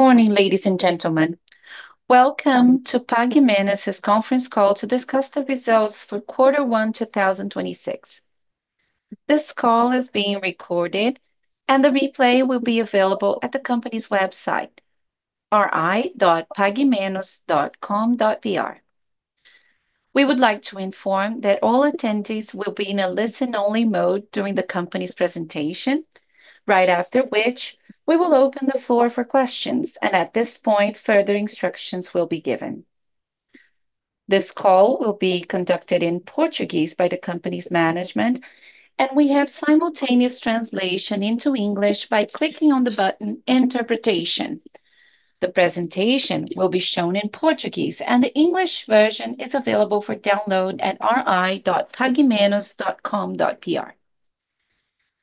Good morning, ladies and gentlemen. Welcome to Pague Menos' conference call to discuss the results for quarter one, 2026. This call is being recorded, and the replay will be available at the company's website, ri.paguemenos.com.br. We would like to inform that all attendees will be in a listen-only mode during the company's presentation, right after which we will open the floor for questions. At this point, further instructions will be given. This call will be conducted in Portuguese by the company's management, and we have simultaneous translation into English by clicking on the button Interpretation. The presentation will be shown in Portuguese, and the English version is available for download at ri.paguemenos.com.br.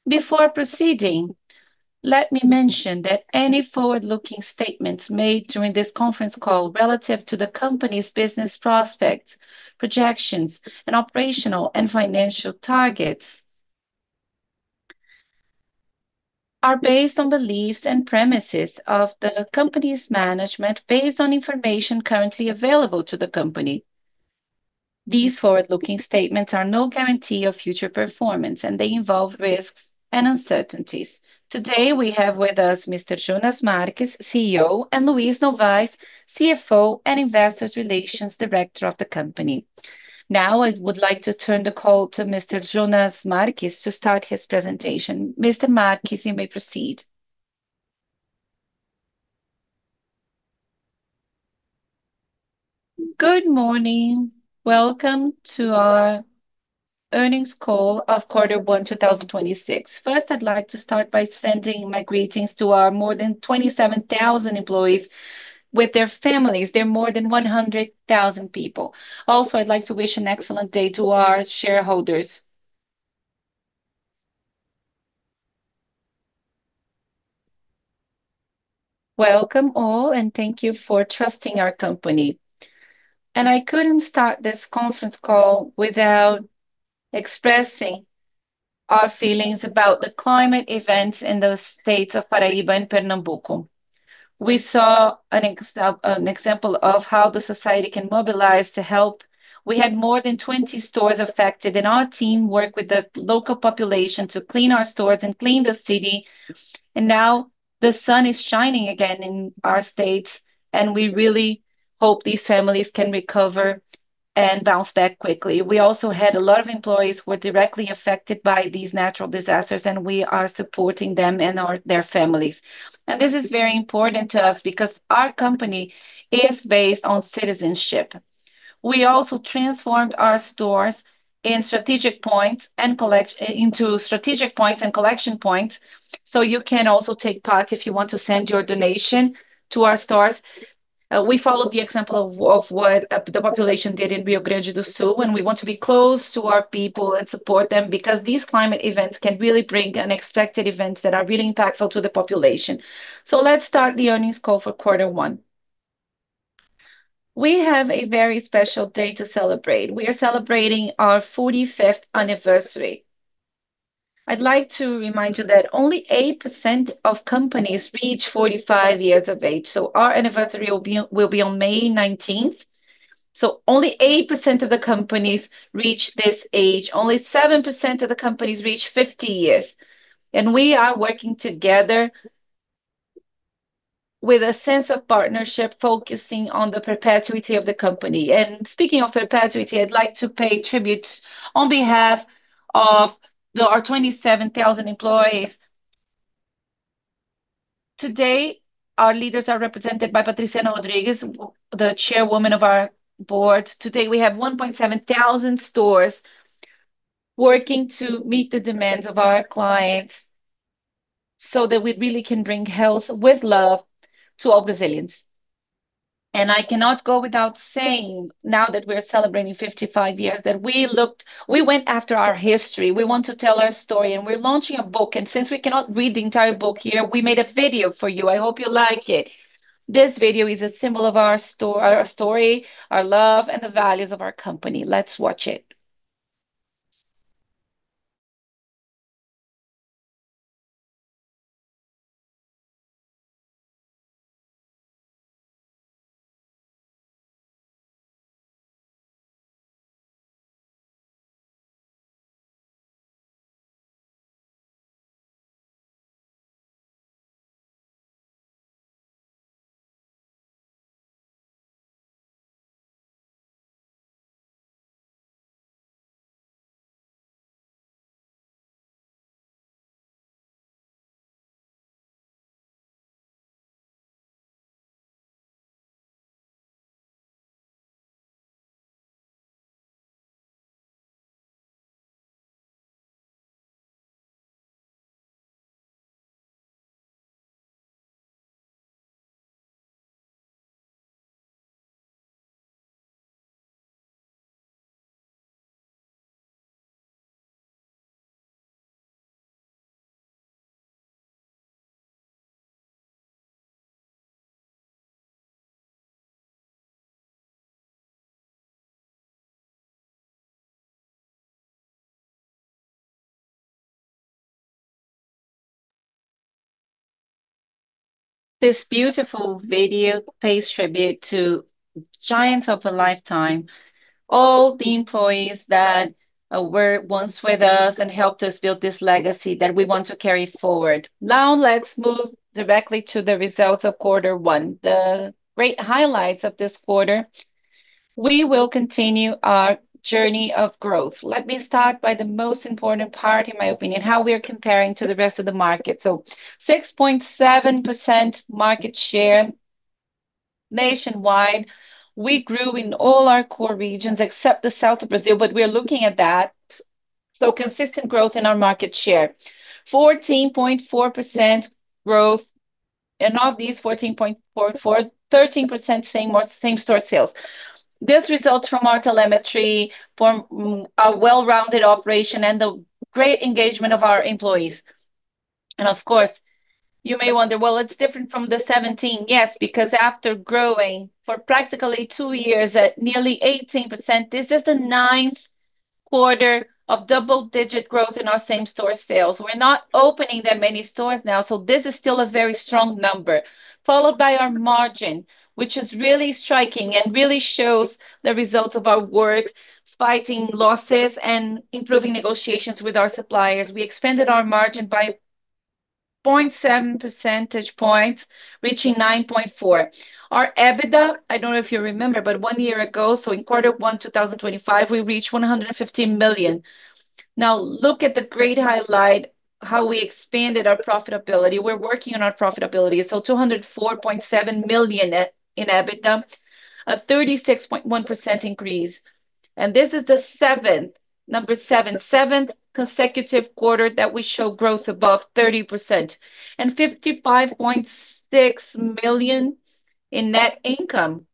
Before proceeding, let me mention that any forward-looking statements made during this conference call relative to the company's business prospects, projections, and operational and financial targets are based on beliefs and premises of the company's management based on information currently available to the company. These forward-looking statements are no guarantee of future performance, and they involve risks and uncertainties. Today, we have with us Mr. Jonas Marques, CEO, and Luiz Novais, CFO and Investor Relations Director of the company. Now I would like to turn the call to Mr. Jonas Marques to start his presentation. Mr. Marques, you may proceed. Good morning. Welcome to our earnings call of quarter one, 2026. First, I'd like to start by sending my greetings to our more than 27,000 employees with their families. They're more than 100,000 people. Also, I'd like to wish an excellent day to our shareholders. Welcome all, thank you for trusting our company. I couldn't start this conference call without expressing our feelings about the climate events in the states of Paraíba and Pernambuco. We saw an example of how the society can mobilize to help. We had more than 20 stores affected, and our team worked with the local population to clean our stores and clean the city. Now the sun is shining again in our states, and we really hope these families can recover and bounce back quickly. We also had a lot of employees who were directly affected by these natural disasters, and we are supporting them and their families. This is very important to us because our company is based on citizenship. We also transformed our stores into strategic points and collection points, so you can also take part if you want to send your donation to our stores. We followed the example of what the population did in Rio Grande do Sul, we want to be close to our people and support them because these climate events can really bring unexpected events that are really impactful to the population. Let's start the earnings call for quarter one. We have a very special day to celebrate. We are celebrating our 45th anniversary. I'd like to remind you that only 8% of companies reach 45 years of age. Our anniversary will be on May 19th. Only 8% of the companies reach this age. Only 7% of the companies reach 50 years. We are working together with a sense of partnership, focusing on the perpetuity of the company. Speaking of perpetuity, I'd like to pay tribute on behalf of our 27,000 employees. Today, our leaders are represented by Patriciana Rodrigues, the Chairwoman of our board. Today, we have 1,700 stores working to meet the demands of our clients so that we really can bring health with love to all Brazilians. I cannot go without saying, now that we're celebrating 55 years, that we went after our history. We want to tell our story, and we're launching a book. Since we cannot read the entire book here, we made a video for you. I hope you like it. This video is a symbol of our story, our love, and the values of our company. Let's watch it. This beautiful video pays tribute to giants of a lifetime, all the employees that were once with us and helped us build this legacy that we want to carry forward. Let's move directly to the results of quarter one. The great highlights of this quarter, we will continue our journey of growth. Let me start by the most important part, in my opinion, how we are comparing to the rest of the market. 6.7% market share nationwide. We grew in all our core regions except the south of Brazil, but we are looking at that. Consistent growth in our market share. 14.4% growth, and of these 14.44, 13% same store sales. This results from our telemetry from a well-rounded operation and the great engagement of our employees. Of course, you may wonder, well, it's different from the 17%. After growing for practically two years at nearly 18%, this is the ninth quarter of double-digit growth in our same store sales. We're not opening that many stores now, this is still a very strong number. Followed by our margin, which is really striking and really shows the results of our work fighting losses and improving negotiations with our suppliers. We expanded our margin by 0.7 percentage point, reaching 9.4%. Our EBITDA, I don't know if you remember, one year ago, in quarter one 2025, we reached 115 million. Look at the great highlight, how we expanded our profitability. We're working on our profitability, 204.7 million in EBITDA, a 36.1% increase. This is the seventh consecutive quarter that we show growth above 30%. 55.6 million in net income,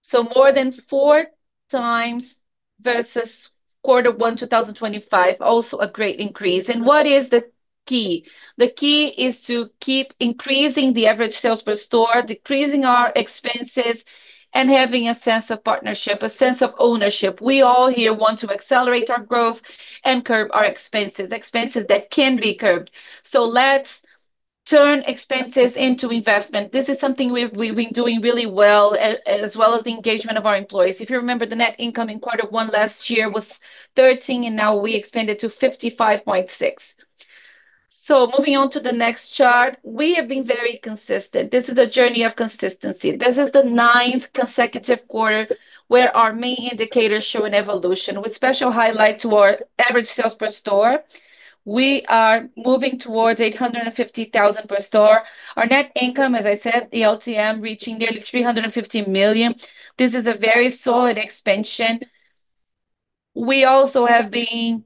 so more than four times versus quarter one 2025, also a great increase. What is the key? The key is to keep increasing the average sales per store, decreasing our expenses, and having a sense of partnership, a sense of ownership. We all here want to accelerate our growth and curb our expenses that can be curbed. Let's turn expenses into investment. This is something we've been doing really well as well as the engagement of our employees. If you remember, the net income in quarter one last year was 13 million, and now we expanded to 55.6 million. Moving on to the next chart, we have been very consistent. This is a journey of consistency. This is the ninth consecutive quarter where our main indicators show an evolution, with special highlight to our average sales per store. We are moving towards 850,000 per store. Our net income, as I said, the LTM reaching nearly 350 million. This is a very solid expansion. We also have been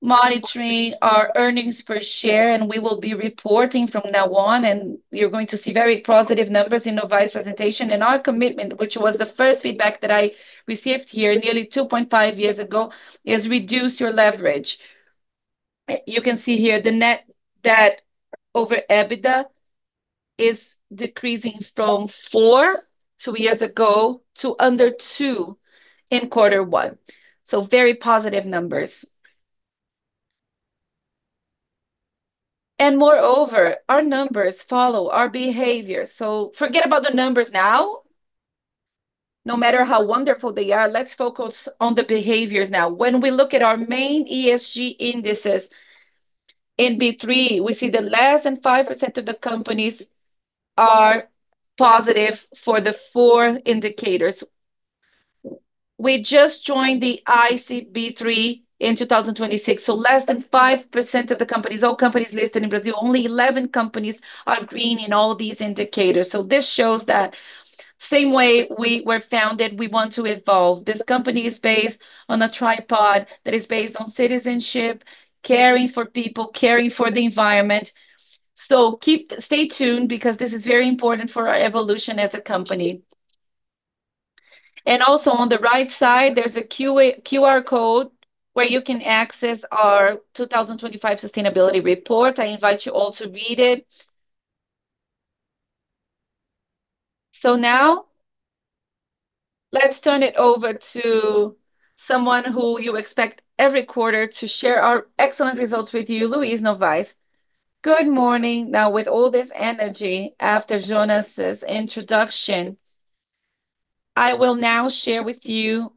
monitoring our earnings per share, and we will be reporting from now on, and you're going to see very positive numbers in Novais' presentation. Our commitment, which was the first feedback that I received here nearly 2.5 years ago, is reduce your leverage. You can see here the net debt over EBITDA is decreasing from four, two years ago to under two in quarter one. Very positive numbers. Moreover, our numbers follow our behavior. Forget about the numbers now. No matter how wonderful they are, let's focus on the behaviors now. When we look at our main ESG indices in B3, we see that less than 5% of the companies are positive for the four indicators. We just joined the ICB3 in 2026, less than 5% of the companies, all companies listed in Brazil, only 11 companies are green in all these indicators. This shows that same way we were founded, we want to evolve. This company is based on a tripod that is based on citizenship, caring for people, caring for the environment. Stay tuned because this is very important for our evolution as a company. And also on the right side, there's a QR code where you can access our 2025 sustainability report. I invite you all to read it. Now let's turn it over to someone who you expect every quarter to share our excellent results with you, Luiz Novais. Good morning. With all this energy after Jonas's introduction, I will now share with you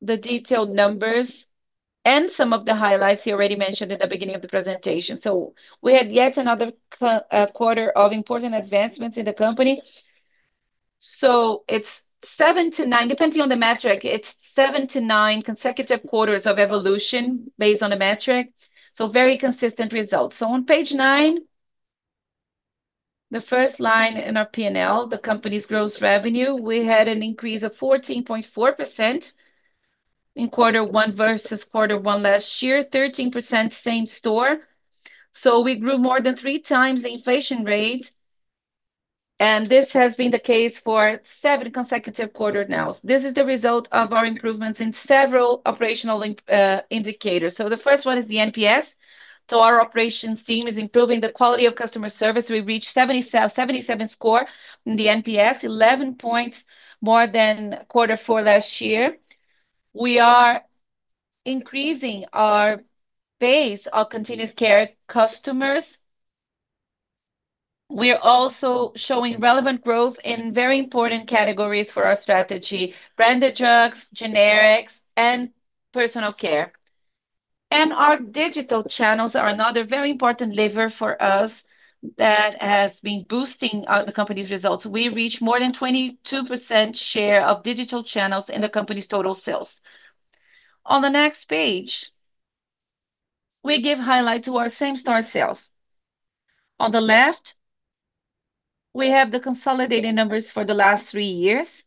the detailed numbers and some of the highlights he already mentioned at the beginning of the presentation. We had yet another quarter of important advancements in the company. It's 7 to 9, depending on the metric, it's 7 to 9 consecutive quarters of evolution based on the metric, very consistent results. On page nine, the first line in our P&L, the company's gross revenue, we had an increase of 14.4% in quarter one versus quarter one last year, 13% same store. We grew more than three times the inflation rate, and this has been the case for seven consecutive quarter now. This is the result of our improvements in several operational indicators. The first one is the NPS. Our operations team is improving the quality of customer service. We reached 77 score in the NPS, 11 points more than quarter four last year. We are increasing our base. We are also showing relevant growth in very important categories for our strategy, branded drugs, generics, and personal care. Our digital channels are another very important lever for us that has been boosting the company's results. We reached more than 22% share of digital channels in the company's total sales. On the next page, we give highlight to our same-store sales. On the left, we have the consolidated numbers for the last three years,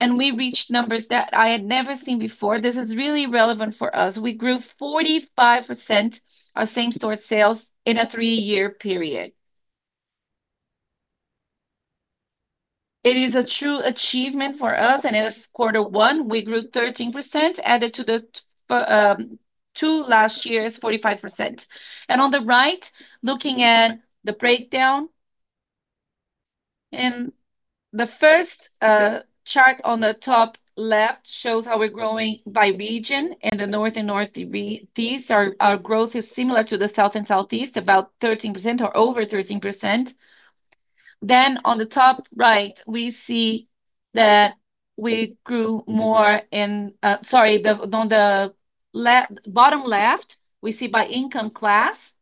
and we reached numbers that I had never seen before. This is really relevant for us. We grew 45% our same-store sales in a 3-year period. It is a true achievement for us. In quarter one we grew 13%, added to the two last year's 45%. On the right, looking at the breakdown, the first chart on the top left shows how we're growing by region. In the North and Northeast our growth is similar to the South and Southeast, about 13% or over 13%. On the top right we see that we grew more. Sorry, on the bottom left we see by income class.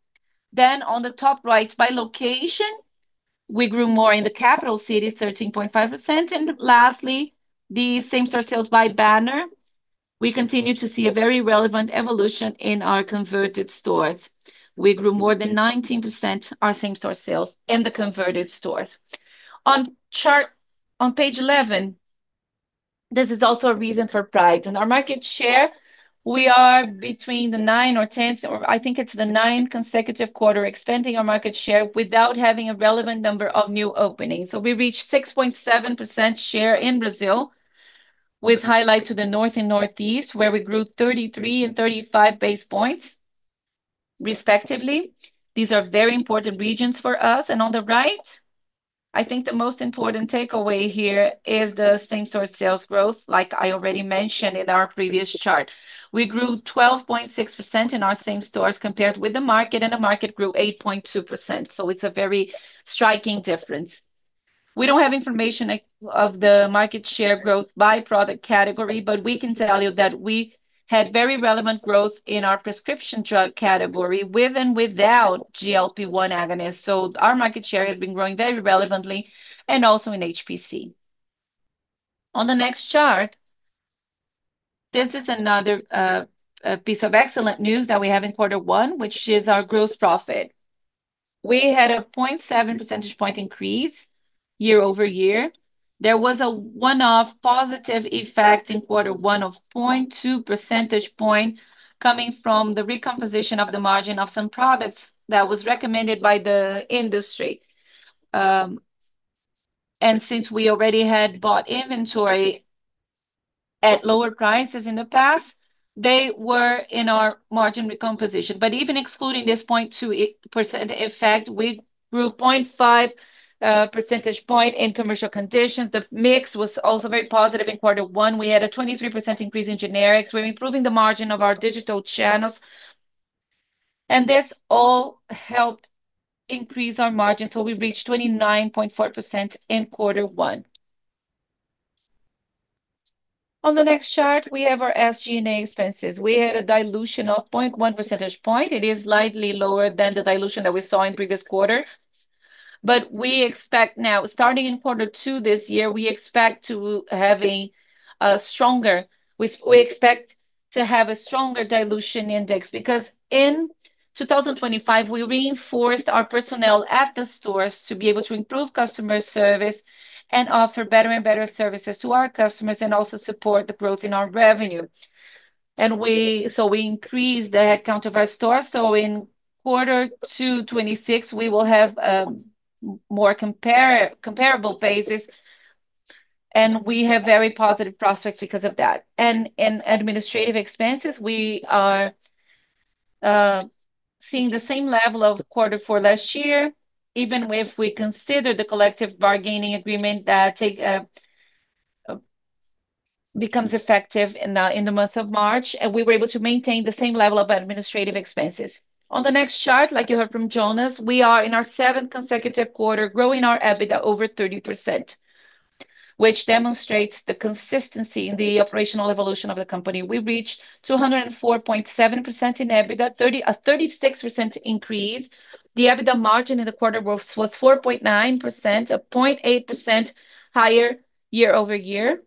On the top right, by location, we grew more in the capital city, 13.5%. Lastly, the same-store sales by banner. We continue to see a very relevant evolution in our converted stores. We grew more than 19% our same-store sales in the converted stores. On chart, on page 11, this is also a reason for pride. In our market share, we are between the ninth or 10th, or I think it's the ninth consecutive quarter expanding our market share without having a relevant number of new openings. We reached 6.7% share in Brazil, with highlight to the North and Northeast, where we grew 33 and 35 basis points respectively. These are very important regions for us. On the right, I think the most important takeaway here is the same-store sales growth, like I already mentioned in our previous chart. We grew 12.6% in our same stores compared with the market, and the market grew 8.2%, so it's a very striking difference. We don't have information of the market share growth by product category. We can tell you that we had very relevant growth in our prescription drug category with and without GLP-1 agonist. Our market share has been growing very relevantly, and also in HPC. On the next chart, this is another piece of excellent news that we have in quarter one, which is our gross profit. We had a 0.7 percentage point increase year-over-year. There was a one-off positive effect in quarter one of 0.2 percentage point coming from the recomposition of the margin of some products that was recommended by the industry. Since we already had bought inventory at lower prices in the past, they were in our margin recomposition. Even excluding this 0.2% effect, we grew 0.5 percentage point in commercial conditions. The mix was also very positive in quarter one. We had a 23% increase in generics. We're improving the margin of our digital channels. This all helped increase our margin till we reached 29.4% in quarter one. On the next chart we have our SG&A expenses. We had a dilution of 0.1 percentage point. It is slightly lower than the dilution that we saw in previous quarters. We expect now, starting in quarter two this year, we expect to have a stronger dilution index because in 2025 we reinforced our personnel at the stores to be able to improve customer service and offer better and better services to our customers, and also support the growth in our revenue. We increased the headcount of our stores, so in quarter two 2026 we will have more comparable basis, and we have very positive prospects because of that. In administrative expenses we are seeing the same level of quarter four last year, even with we consider the collective bargaining agreement that becomes effective in the month of March, and we were able to maintain the same level of administrative expenses. On the next chart, like you heard from Jonas, we are in our seventh consecutive quarter growing our EBITDA over 30%, which demonstrates the consistency in the operational evolution of the company. We reached 204.7% in EBITDA, a 36% increase. The EBITDA margin in the quarter was 4.9%, a 0.8% higher year-over-year.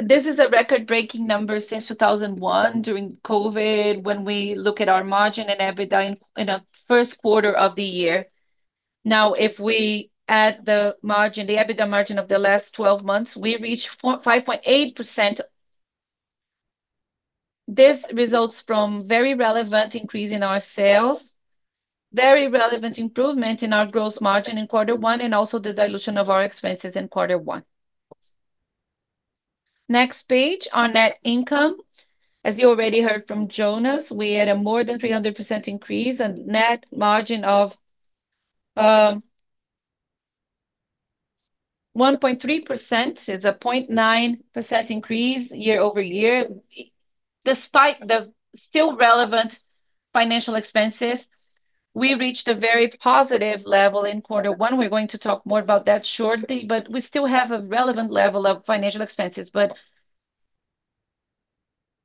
This is a record-breaking number since 2001, during COVID, when we look at our margin and EBITDA in a first quarter of the year. If we add the margin, the EBITDA margin of the last 12 months, we reach 5.8%. This results from very relevant increase in our sales, very relevant improvement in our gross margin in quarter one, and also the dilution of our expenses in quarter one. Next page, our net income. As you already heard from Jonas, we had a more than 300% increase, a net margin of 1.3%, it's a 0.9% increase year-over-year. Despite the still relevant financial expenses, we reached a very positive level in quarter one. We're going to talk more about that shortly, we still have a relevant level of financial expenses.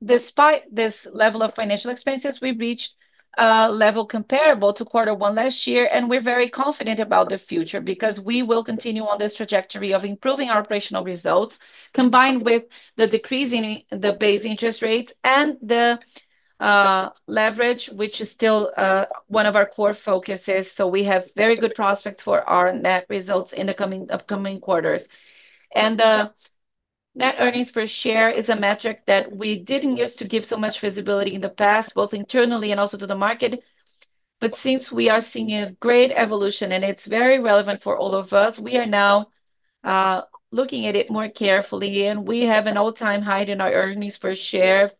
Despite this level of financial expenses, we've reached a level comparable to quarter one last year, and we're very confident about the future because we will continue on this trajectory of improving our operational results, combined with the decrease in the base interest rate and the leverage, which is still one of our core focuses. We have very good prospects for our net results in the upcoming quarters. Net earnings per share is a metric that we didn't use to give so much visibility in the past, both internally and also to the market. Since we are seeing a great evolution and it's very relevant for all of us, we are now looking at it more carefully, and we have an all-time high in our earnings per share,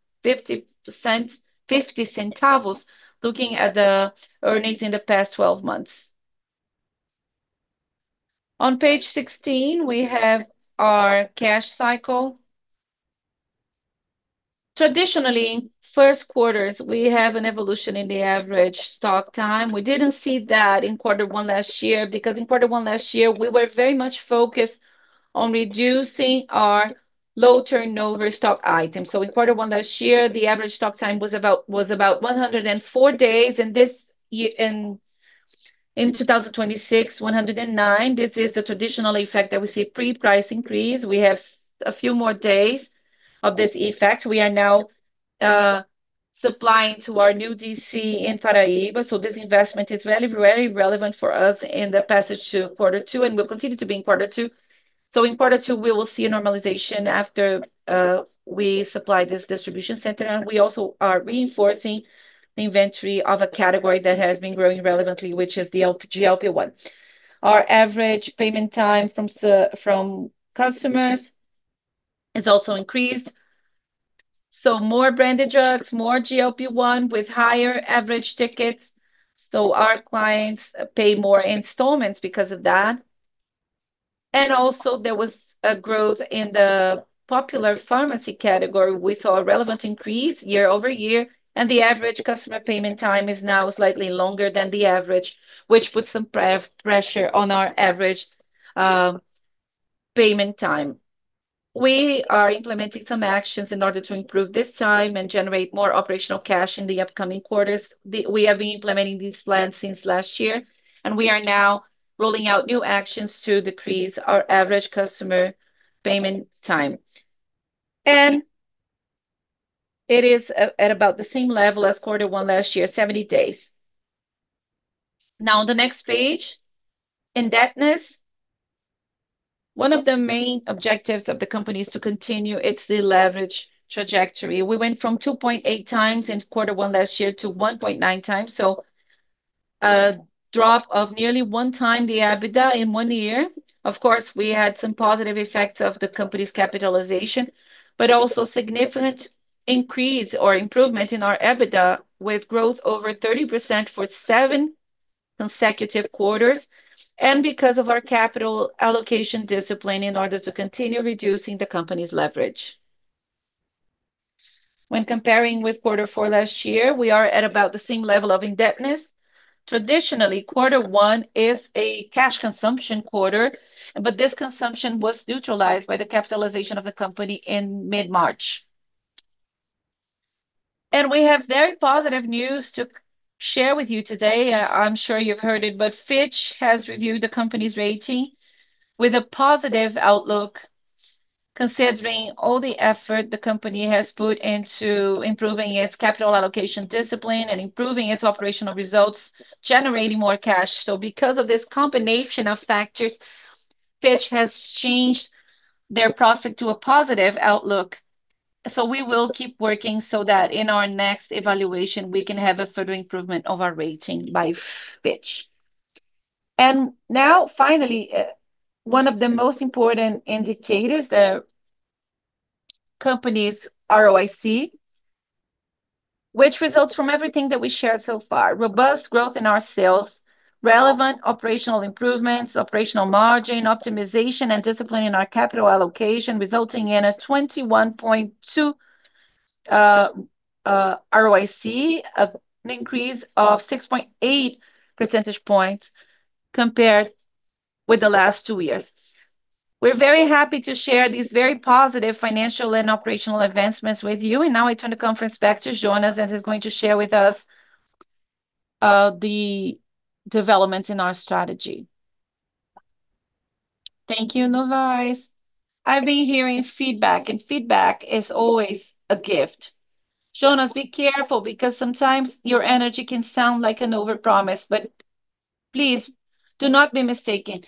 0.50, looking at the earnings in the past 12 months. On page 16, we have our cash cycle. Traditionally, first quarters we have an evolution in the average stock time. We didn't see that in quarter one last year, because in quarter one last year we were very much focused on reducing our low turnover stock items. In quarter one last year, the average stock time was about 104 days, and in 2026, 109. This is the traditional effect that we see pre-price increase. We have a few more days of this effect. We are now supplying to our new DC in Paraíba, this investment is very, very relevant for us in the passage to quarter two, and will continue to be in quarter two. In quarter two we will see a normalization after we supply this distribution center. We also are reinforcing inventory of a category that has been growing relevantly, which is the GLP-1. Our average payment time from customers has also increased. More branded drugs, more GLP-1 with higher average tickets, so our clients pay more installments because of that. Also there was a growth in the popular pharmacy category. We saw a relevant increase year-over-year, and the average customer payment time is now slightly longer than the average, which puts some pressure on our average payment time. We are implementing some actions in order to improve this time and generate more operational cash in the upcoming quarters. We have been implementing these plans since last year, and we are now rolling out new actions to decrease our average customer payment time. It is at about the same level as quarter one last year, 70 days. Now on the next page, indebtedness. One of the main objectives of the company is to continue its deleverage trajectory. We went from 2.8 times in quarter one last year to 1.9 times, a drop of nearly 1 time the EBITDA in one year. Of course, we had some positive effects of the company's capitalization, but also significant increase or improvement in our EBITDA, with growth over 30% for seven consecutive quarters, and because of our capital allocation discipline in order to continue reducing the company's leverage. When comparing with quarter four last year, we are at about the same level of indebtedness. Traditionally, quarter one is a cash consumption quarter, but this consumption was neutralized by the capitalization of the company in mid-March. We have very positive news to share with you today. I'm sure you've heard it, Fitch has reviewed the company's rating with a positive outlook, considering all the effort the company has put into improving its capital allocation discipline and improving its operational results, generating more cash. Because of this combination of factors, Fitch has changed their prospect to a positive outlook. We will keep working so that in our next evaluation we can have a further improvement of our rating by Fitch. Now finally, one of the most important indicators, the company's ROIC, which results from everything that we shared so far. Robust growth in our sales, relevant operational improvements, operational margin optimization, and discipline in our capital allocation, resulting in a 21.2% ROIC, of an increase of 6.8 percentage point compared with the last two years. We're very happy to share these very positive financial and operational advancements with you. Now I turn the conference back to Jonas, and he's going to share with us, the developments in our strategy. Thank you, Novais. I've been hearing feedback, and feedback is always a gift. Jonas, be careful because sometimes your energy can sound like an overpromise. Please, do not be mistaken,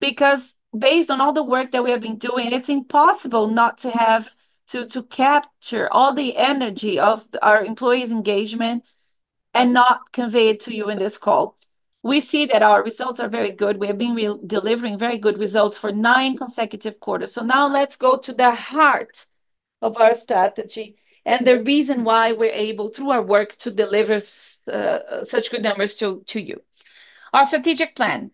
because based on all the work that we have been doing, it's impossible not to have, to capture all the energy of our employees' engagement and not convey it to you in this call. We see that our results are very good. We have been delivering very good results for nine consecutive quarters. Now let's go to the heart of our strategy. The reason why we're able, through our work, to deliver such good numbers to you. Our strategic plan.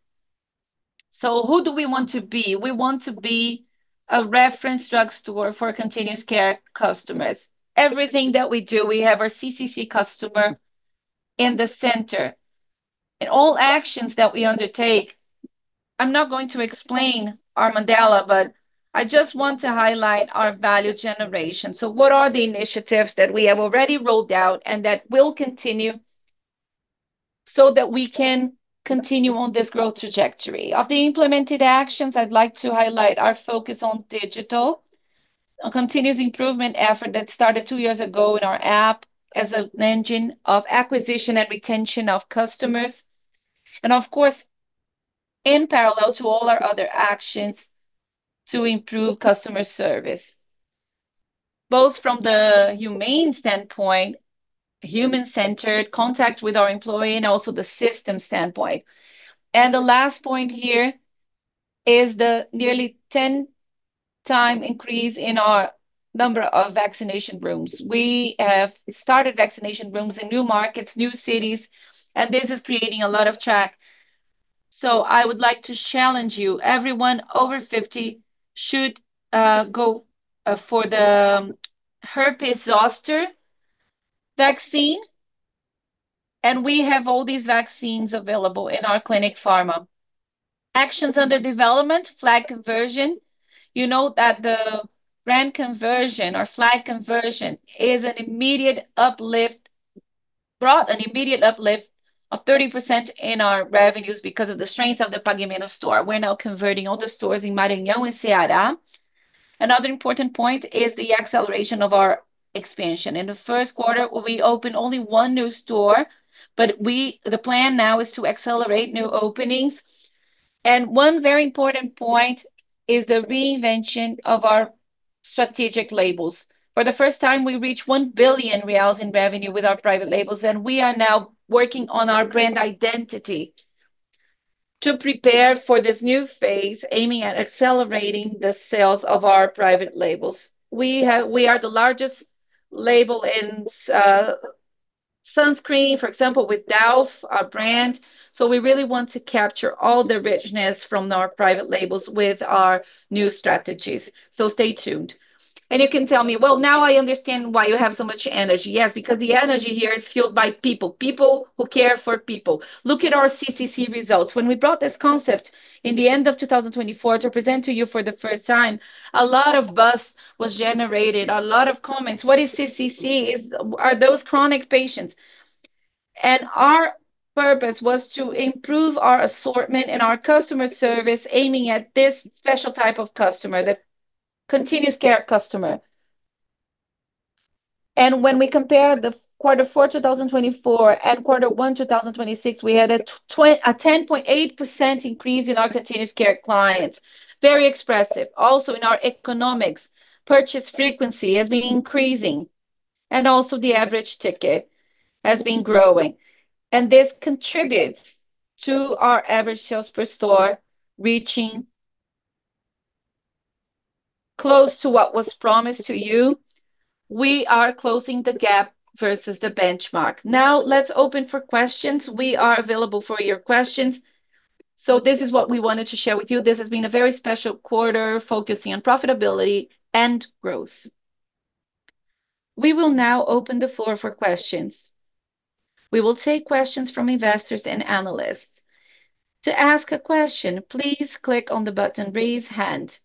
Who do we want to be? We want to be a reference drugstore for continuous care customers. Everything that we do, we have our CCC customer in the center. In all actions that we undertake I'm not going to explain our mandala, but I just want to highlight our value generation. What are the initiatives that we have already rolled out and that will continue so that we can continue on this growth trajectory? Of the implemented actions, I'd like to highlight our focus on digital, a continuous improvement effort that started two years ago in our app as an engine of acquisition and retention of customers. Of course, in parallel to all our other actions to improve customer service, both from the humane standpoint, human-centered contact with our employee, and also the system standpoint. The last point here is the nearly 10 times increase in our number of vaccination rooms. We have started vaccination rooms in new markets, new cities, and this is creating a lot of traction. I would like to challenge you, everyone over 50 should go for the herpes zoster vaccine, and we have all these vaccines available in our Clinic Farma. Actions under development, flag conversion. You know that the brand conversion or flag conversion is an immediate uplift, brought an immediate uplift of 30% in our revenues because of the strength of the Pague Menos store. We're now converting all the stores in Maranhão and Ceará. Another important point is the acceleration of our expansion. In the first quarter, we opened only one new store. The plan now is to accelerate new openings. One very important point is the reinvention of our strategic labels. For the first time, we reached 1 billion reais in revenue with our private labels, and we are now working on our brand identity to prepare for this new phase aiming at accelerating the sales of our private labels. We are the largest label in sunscreen, for example, with Dove, our brand. We really want to capture all the richness from our private labels with our new strategies. Stay tuned. You can tell me, "Well, now I understand why you have so much energy." Yes, because the energy here is fueled by people who care for people. Look at our CCC results. When we brought this concept in the end of 2024 to present to you for the first time, a lot of buzz was generated, a lot of comments. What is CCC? Are those chronic patients? Our purpose was to improve our assortment and our customer service aiming at this special type of customer, the continuous care customer. When we compare the quarter four 2024 and quarter one 2026, we had a 10.8% increase in our continuous care clients. Very expressive. Also in our economics, purchase frequency has been increasing, and also the average ticket has been growing. This contributes to our average sales per store reaching close to what was promised to you. We are closing the gap versus the benchmark. Now let's open for questions. We are available for your questions. This is what we wanted to share with you. This has been a very special quarter focusing on profitability and growth. We will now open the floor for questions. We will take questions from investors and analysts. To ask a question, please click on the button, raise hand.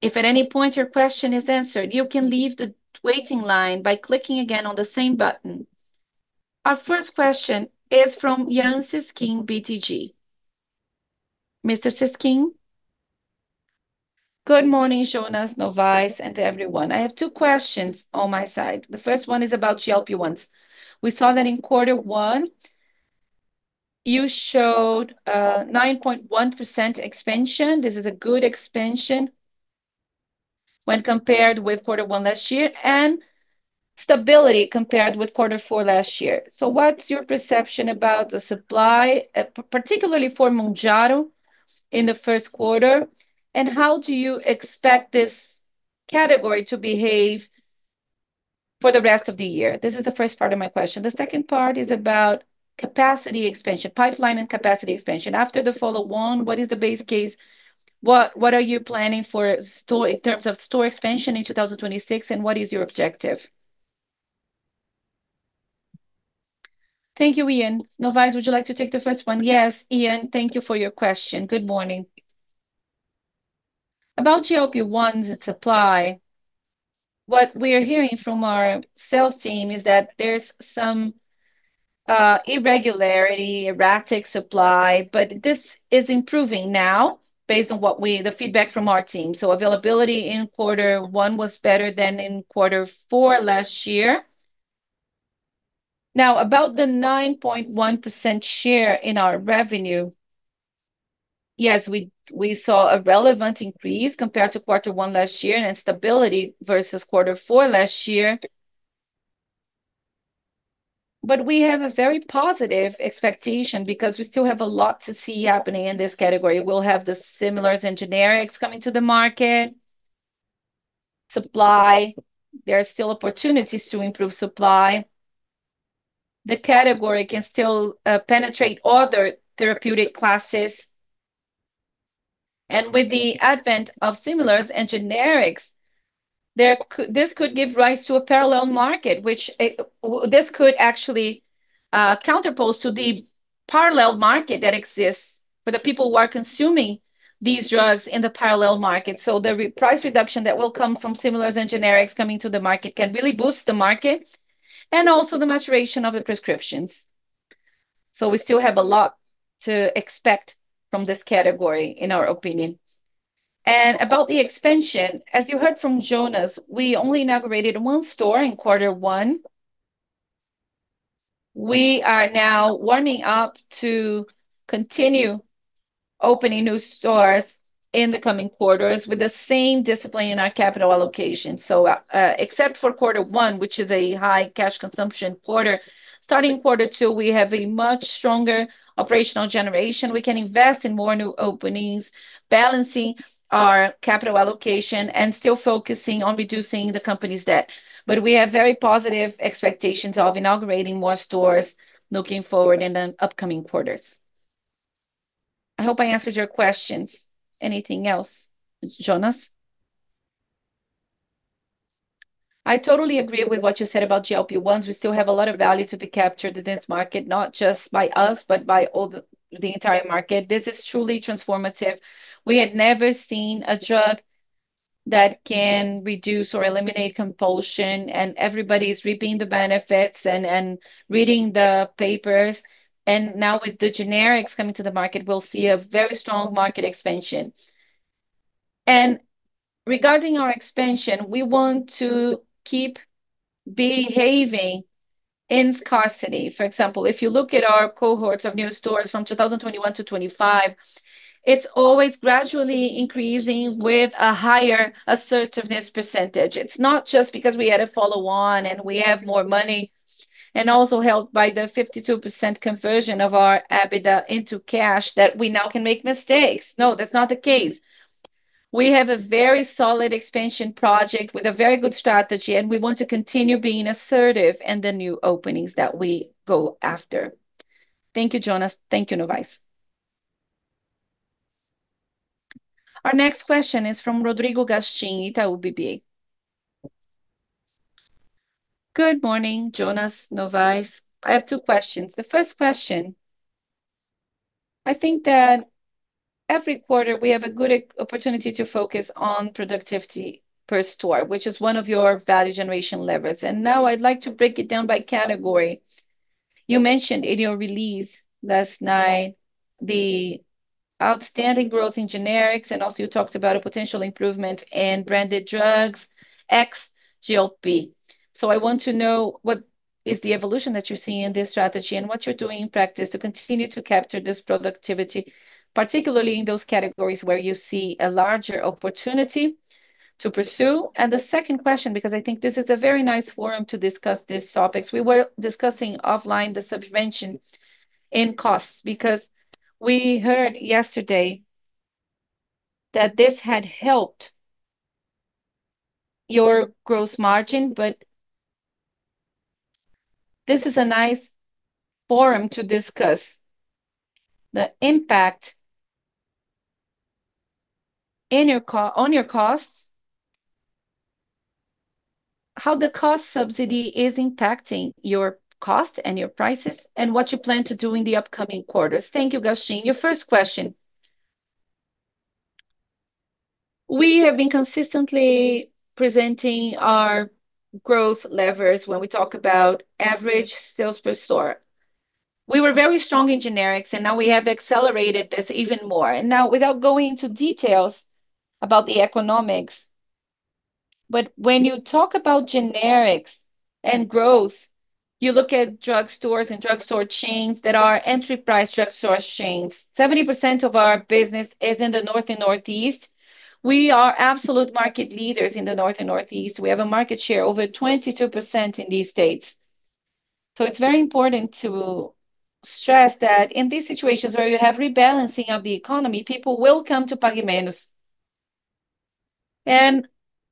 If at any point your question is answered, you can leave the waiting line by clicking again on the same button. Our first question is from Yan Cesquim, BTG. Mr. Cesquim. Good morning, Jonas, Novais, and everyone. I have two questions on my side. The first one is about GLP-1s. We saw that in quarter one you showed 9.1% expansion. This is a good expansion when compared with quarter one last year, and stability compared with quarter four last year. What's your perception about the supply particularly for Mounjaro in the first quarter, and how do you expect this category to behave for the rest of the year? This is the first part of my question. The second part is about capacity expansion, pipeline and capacity expansion. After the follow one, what is the base case? What are you planning for store expansion in 2026, and what is your objective? Thank you, Yan. Novais, would you like to take the first one? Yes, Yan, thank you for your question. Good morning. About GLP-1s and supply, what we are hearing from our sales team is that there's some irregularity, erratic supply, but this is improving now based on the feedback from our team. Availability in quarter one was better than in quarter four last year. About the 9.1% share in our revenue, yes, we saw a relevant increase compared to quarter one last year and a stability versus quarter four last year. We have a very positive expectation because we still have a lot to see happening in this category. We'll have the similars and generics coming to the market. Supply, there are still opportunities to improve supply. The category can still penetrate other therapeutic classes. With the advent of similars and generics, this could give rise to a parallel market, which this could actually counterpose to the parallel market that exists for the people who are consuming these drugs in the parallel market. The price reduction that will come from similars and generics coming to the market can really boost the market and also the maturation of the prescriptions. We still have a lot to expect from this category, in our opinion. About the expansion, as you heard from Jonas, we only inaugurated one store in quarter one. We are now warming up to continue opening new stores in the coming quarters with the same discipline in our capital allocation. Except for quarter one, which is a high cash consumption quarter, starting quarter two, we have a much stronger operational generation. We can invest in more new openings, balancing our capital allocation and still focusing on reducing the company's debt. We have very positive expectations of inaugurating more stores looking forward in the upcoming quarters. I hope I answered your questions. Anything else? Jonas. I totally agree with what you said about GLP-1s. We still have a lot of value to be captured in this market, not just by us, but by all the entire market. This is truly transformative. We had never seen a drug that can reduce or eliminate compulsion, and everybody's reaping the benefits and reading the papers. Now with the generics coming to the market, we'll see a very strong market expansion. Regarding our expansion, we want to keep behaving in scarcity. For example, if you look at our cohorts of new stores from 2021 to 2025, it's always gradually increasing with a higher assertiveness percentages. It's not just because we had a follow-on and we have more money, and also helped by the 52% conversion of our EBITDA into cash, that we now can make mistakes. No, that's not the case. We have a very solid expansion project with a very good strategy, and we want to continue being assertive in the new openings that we go after. Thank you, Jonas. Thank you, Novais. Our next question is from Rodrigo Gastim, Itaú BBA. Good morning, Jonas, Novais. I have two questions. The first question, I think that every quarter we have a good opportunity to focus on productivity per store, which is one of your value generation levers. Now I'd like to break it down by category. You mentioned in your release last night the outstanding growth in generics. Also you talked about a potential improvement in branded drugs ex GLP. I want to know what is the evolution that you're seeing in this strategy and what you're doing in practice to continue to capture this productivity, particularly in those categories where you see a larger opportunity to pursue. The second question, because I think this is a very nice forum to discuss these topics, we were discussing offline the subvention in costs because we heard yesterday that this had helped your gross margin. This is a nice forum to discuss the impact on your costs, how the cost subsidy is impacting your cost and your prices, and what you plan to do in the upcoming quarters. Thank you, Gastim. Your first question. We have been consistently presenting our growth levers when we talk about average sales per store. Now we have accelerated this even more. Now without going into details about the economics, when you talk about generics and growth, you look at drugstores and drugstore chains that are enterprise drugstore chains. 70% of our business is in the North and Northeast. We are absolute market leaders in the North and Northeast. We have a market share over 22% in these states. It's very important to stress that in these situations where you have rebalancing of the economy, people will come to Pague Menos.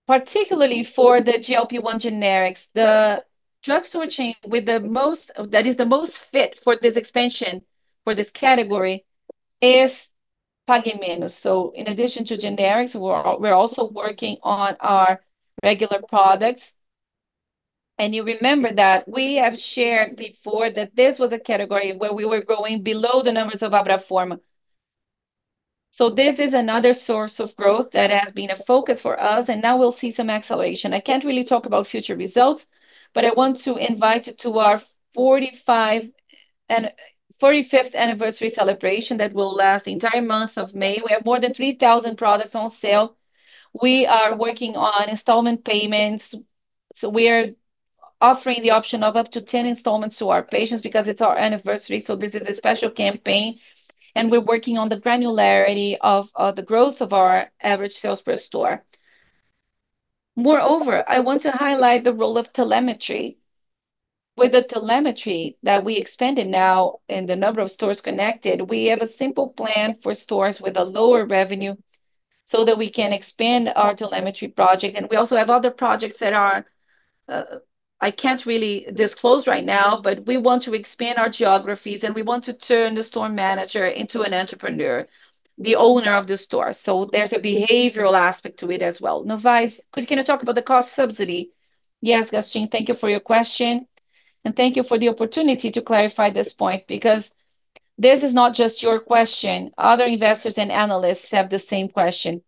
Particularly for the GLP-1 generics, the drugstore chain that is the most fit for this expansion for this category is Pague Menos. In addition to generics, we're also working on our regular products. You remember that we have shared before that this was a category where we were growing below the numbers of Abrafarma. This is another source of growth that has been a focus for us, and now we'll see some acceleration. I can't really talk about future results, but I want to invite you to our 45th anniversary celebration that will last the entire month of May. We have more than 3,000 products on sale. We are working on installment payments, so we are offering the option of up to 10 installments to our patients because it's our anniversary, so this is a special campaign. We're working on the granularity of the growth of our average sales per store. Moreover, I want to highlight the role of telemetry. With the telemetry that we expanded now and the number of stores connected, we have a simple plan for stores with a lower revenue so that we can expand our telemetry project. We also have other projects that are, I can't really disclose right now, but we want to expand our geographies, and we want to turn the store manager into an entrepreneur, the owner of the store. There's a behavioral aspect to it as well. Novais, can you talk about the cost subsidy? Yes, Gastim, thank you for your question, thank you for the opportunity to clarify this point, because this is not just your question. Other investors and analysts have the same question.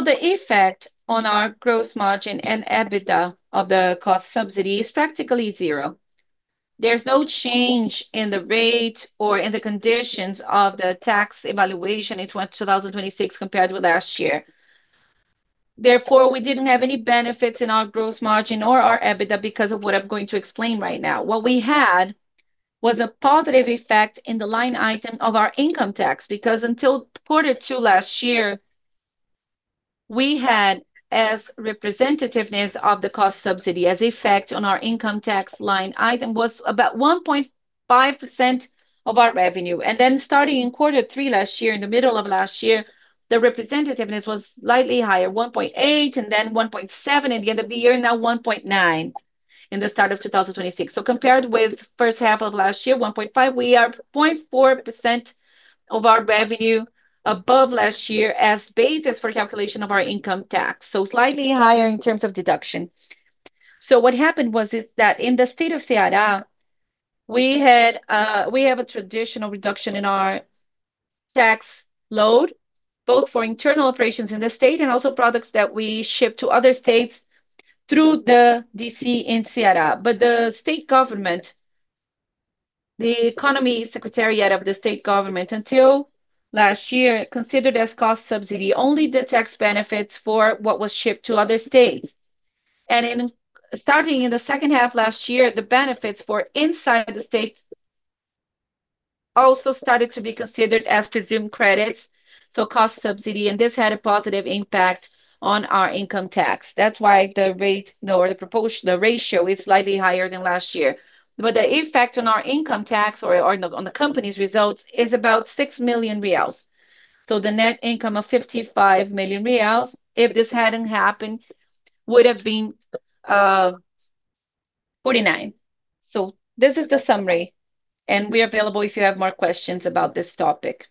The effect on our gross margin and EBITDA of the cost subsidy is practically zero. There's no change in the rate or in the conditions of the tax evaluation in 2026 compared with last year. Therefore, we didn't have any benefits in our gross margin or our EBITDA because of what I'm going to explain right now. What we had was a positive effect in the line item of our income tax, because until quarter two last year, we had as representativeness of the cost subsidy as effect on our income tax line item was about 1.5% of our revenue. Starting in quarter two last year, in the middle of last year, the representativeness was slightly higher, 1.8%, and then 1.7% at the end of the year, now 1.9% in the start of 2026. Compared with first half of last year, 1.5%, we are 0.4% of our revenue above last year as basis for calculation of our income tax, so slightly higher in terms of deduction. What happened was is that in the state of Ceará, we had, we have a traditional reduction in our tax load, both for internal operations in the state and also products that we ship to other states through the DC in Ceará. The state government, the economy secretariat of the state government, until last year, considered as cost subsidy only the tax benefits for what was shipped to other states. Starting in the second half last year, the benefits for inside the state also started to be considered as presumed credits, so cost subsidy, and this had a positive impact on our income tax. That's why the rate, no, or the ratio is slightly higher than last year. The effect on our income tax or on the company's results is about 6 million reais. The net income of 55 million reais, if this hadn't happened, would have been 49 million. This is the summary, and we are available if you have more questions about this topic.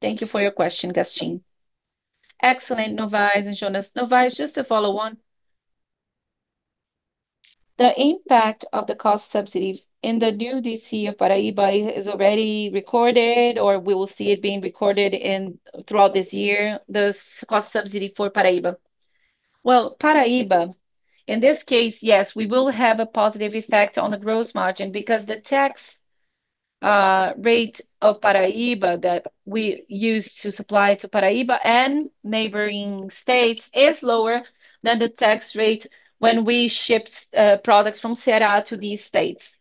Thank you for your question, Gastim. Excellent, Novais and Jonas. Novais, just a follow-on. The impact of the cost subsidy in the new DC of Paraíba is already recorded or we will see it being recorded throughout this year, the cost subsidy for Paraíba. Paraíba, in this case, yes, we will have a positive effect on the gross margin because the tax rate of Paraíba that we use to supply to Paraíba and neighboring states is lower than the tax rate when we ship products from Ceará to these states.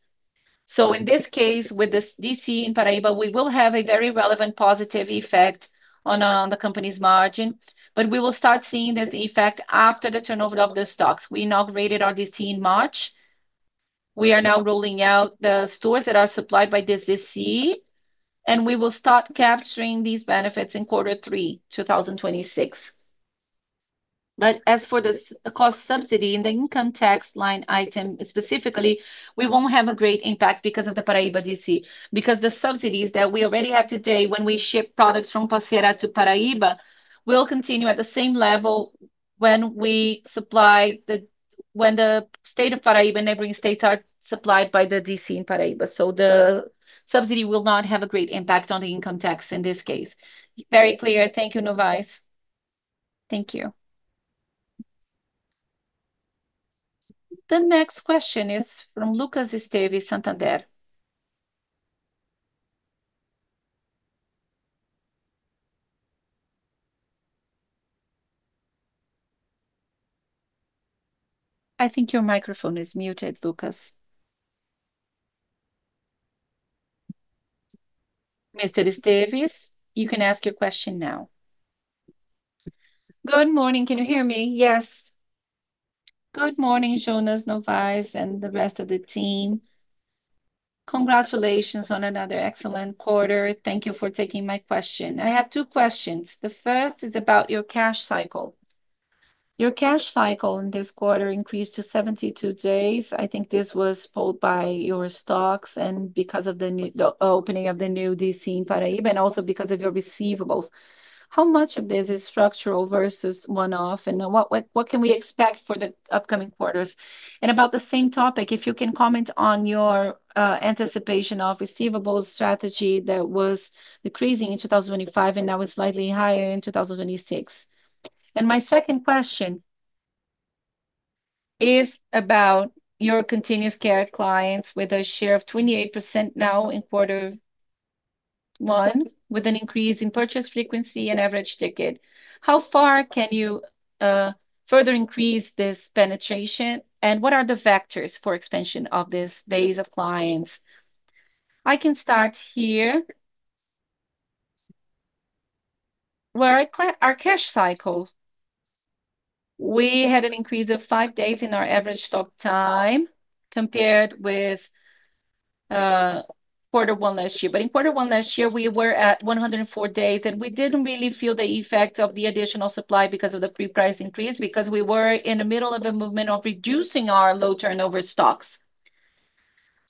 In this case, with this DC in Paraíba, we will have a very relevant positive effect on the company's margin. We will start seeing this effect after the turnover of the stocks. We inaugurated our DC in March. We are now rolling out the stores that are supplied by this DC, and we will start capturing these benefits in quarter three 2026. As for the cost subsidy in the income tax line item specifically, we won't have a great impact because of the Paraíba DC, because the subsidies that we already have today when we ship products from Ceará to Paraíba will continue at the same level when the state of Paraíba and neighboring states are supplied by the DC in Paraíba. The subsidy will not have a great impact on the income tax in this case. Very clear. Thank you, Novais. Thank you. The next question is from Lucas Esteves, Santander. I think your microphone is muted, Lucas. Mr. Esteves, you can ask your question now. Good morning. Can you hear me? Yes. Good morning, Jonas, Novais, and the rest of the team. Congratulations on another excellent quarter. Thank you for taking my question. I have two questions. The first is about your cash cycle. Your cash cycle in this quarter increased to 72 days. I think this was pulled by your stocks and because of the opening of the new DC in Paraíba, and also because of your receivables. How much of this is structural versus one-off, and what can we expect for the upcoming quarters? About the same topic, if you can comment on your anticipation of receivables strategy that was decreasing in 2025 and now is slightly higher in 2026. My second question is about your continuous care clients with a share of 28% now in quarter one, with an increase in purchase frequency and average ticket. How far can you further increase this penetration, and what are the factors for expansion of this base of clients? I can start here. Our cash cycle, we had an increase of five days in our average stock time compared with quarter one last year. In quarter one last year, we were at 104 days, and we didn't really feel the effect of the additional supply because of the pre-price increase because we were in the middle of a movement of reducing our low turnover stocks.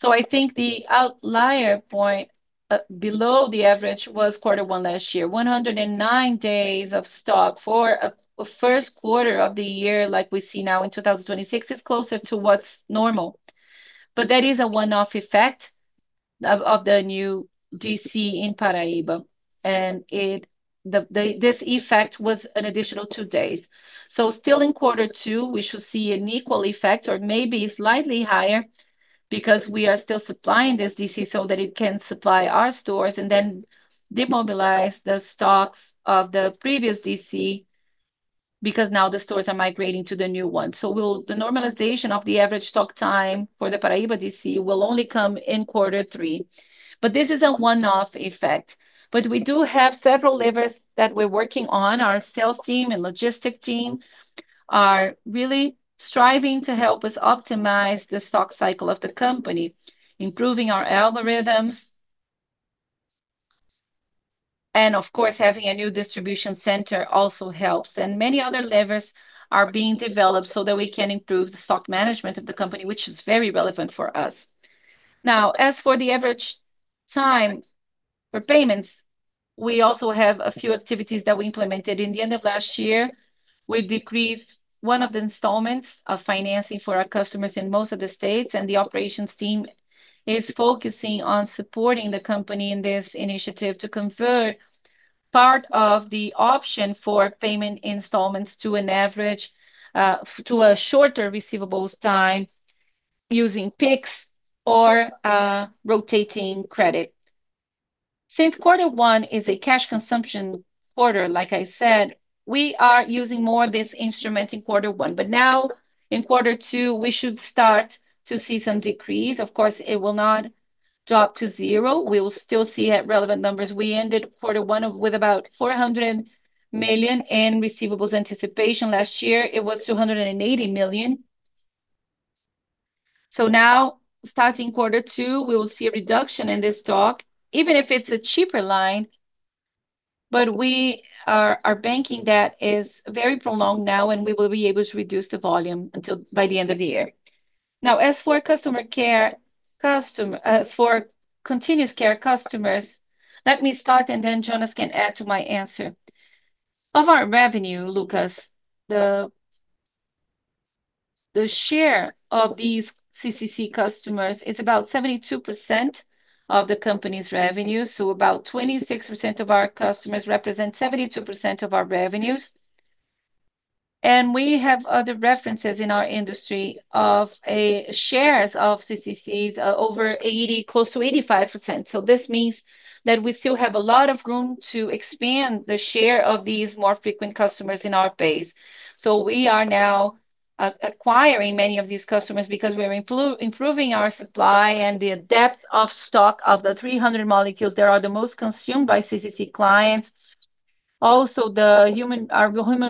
I think the outlier point below the average was quarter one last year. 109 days of stock for a first quarter of the year like we see now in 2026 is closer to what's normal. That is a one-off effect of the new DC in Paraíba, and this effect was an additional two days. Still in quarter two we should see an equal effect or maybe slightly higher because we are still supplying this DC so that it can supply our stores, and then demobilize the stocks of the previous DC because now the stores are migrating to the new one. The normalization of the average stock time for the Paraíba DC will only come in quarter three. This is a one-off effect. We do have several levers that we're working on. Our sales team and logistics team are really striving to help us optimize the stock cycle of the company, improving our algorithms, and of course having a new distribution center also helps. Many other levers are being developed so that we can improve the stock management of the company, which is very relevant for us. As for the average time for payments, we also have a few activities that we implemented. In the end of last year, we’ve decreased one of the installments of financing for our customers in most of the states, and the operations team is focusing on supporting the company in this initiative to convert part of the option for payment installments to a shorter receivables time using Pix or a rotating credit. Since quarter one is a cash consumption quarter, like I said, we are using more this instrument in quarter one. Now in quarter two, we should start to see some decrease. Of course, it will not drop to zero. We will still see relevant numbers. We ended quarter one with about 400 million in receivables anticipation. Last year it was 280 million. Now starting quarter two we will see a reduction in this stock, even if it's a cheaper line, but we are banking that is very prolonged now, and we will be able to reduce the volume until by the end of the year. As for continuous care customers, let me start and then Jonas can add to my answer. Of our revenue, Lucas, the share of these CCC customers is about 72% of the company's revenue, so about 26% of our customers represent 72% of our revenues. We have other references in our industry of a shares of CCCs are over 80%, close to 85%. This means that we still have a lot of room to expand the share of these more frequent customers in our base. We are now acquiring many of these customers because we're improving our supply and the depth of stock of the 300 molecules that are the most consumed by CCC clients. Our human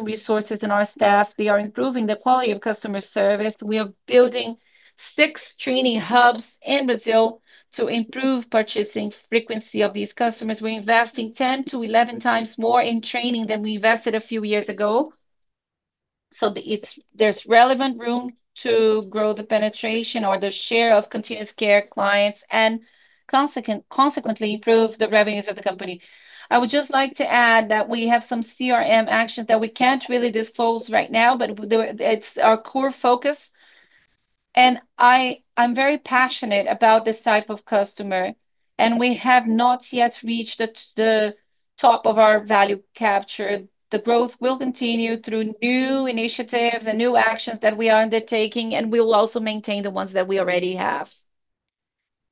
resources and our staff, they are improving the quality of customer service. We are building six training hubs in Brazil to improve purchasing frequency of these customers. We're investing 10 to 11 times more in training than we invested a few years ago. There's relevant room to grow the penetration or the share of continuous care clients, and consequently improve the revenues of the company. I would just like to add that we have some CRM actions that we can't really disclose right now, but it's our core focus, and I'm very passionate about this type of customer. We have not yet reached the top of our value capture. The growth will continue through new initiatives and new actions that we are undertaking, and we will also maintain the ones that we already have.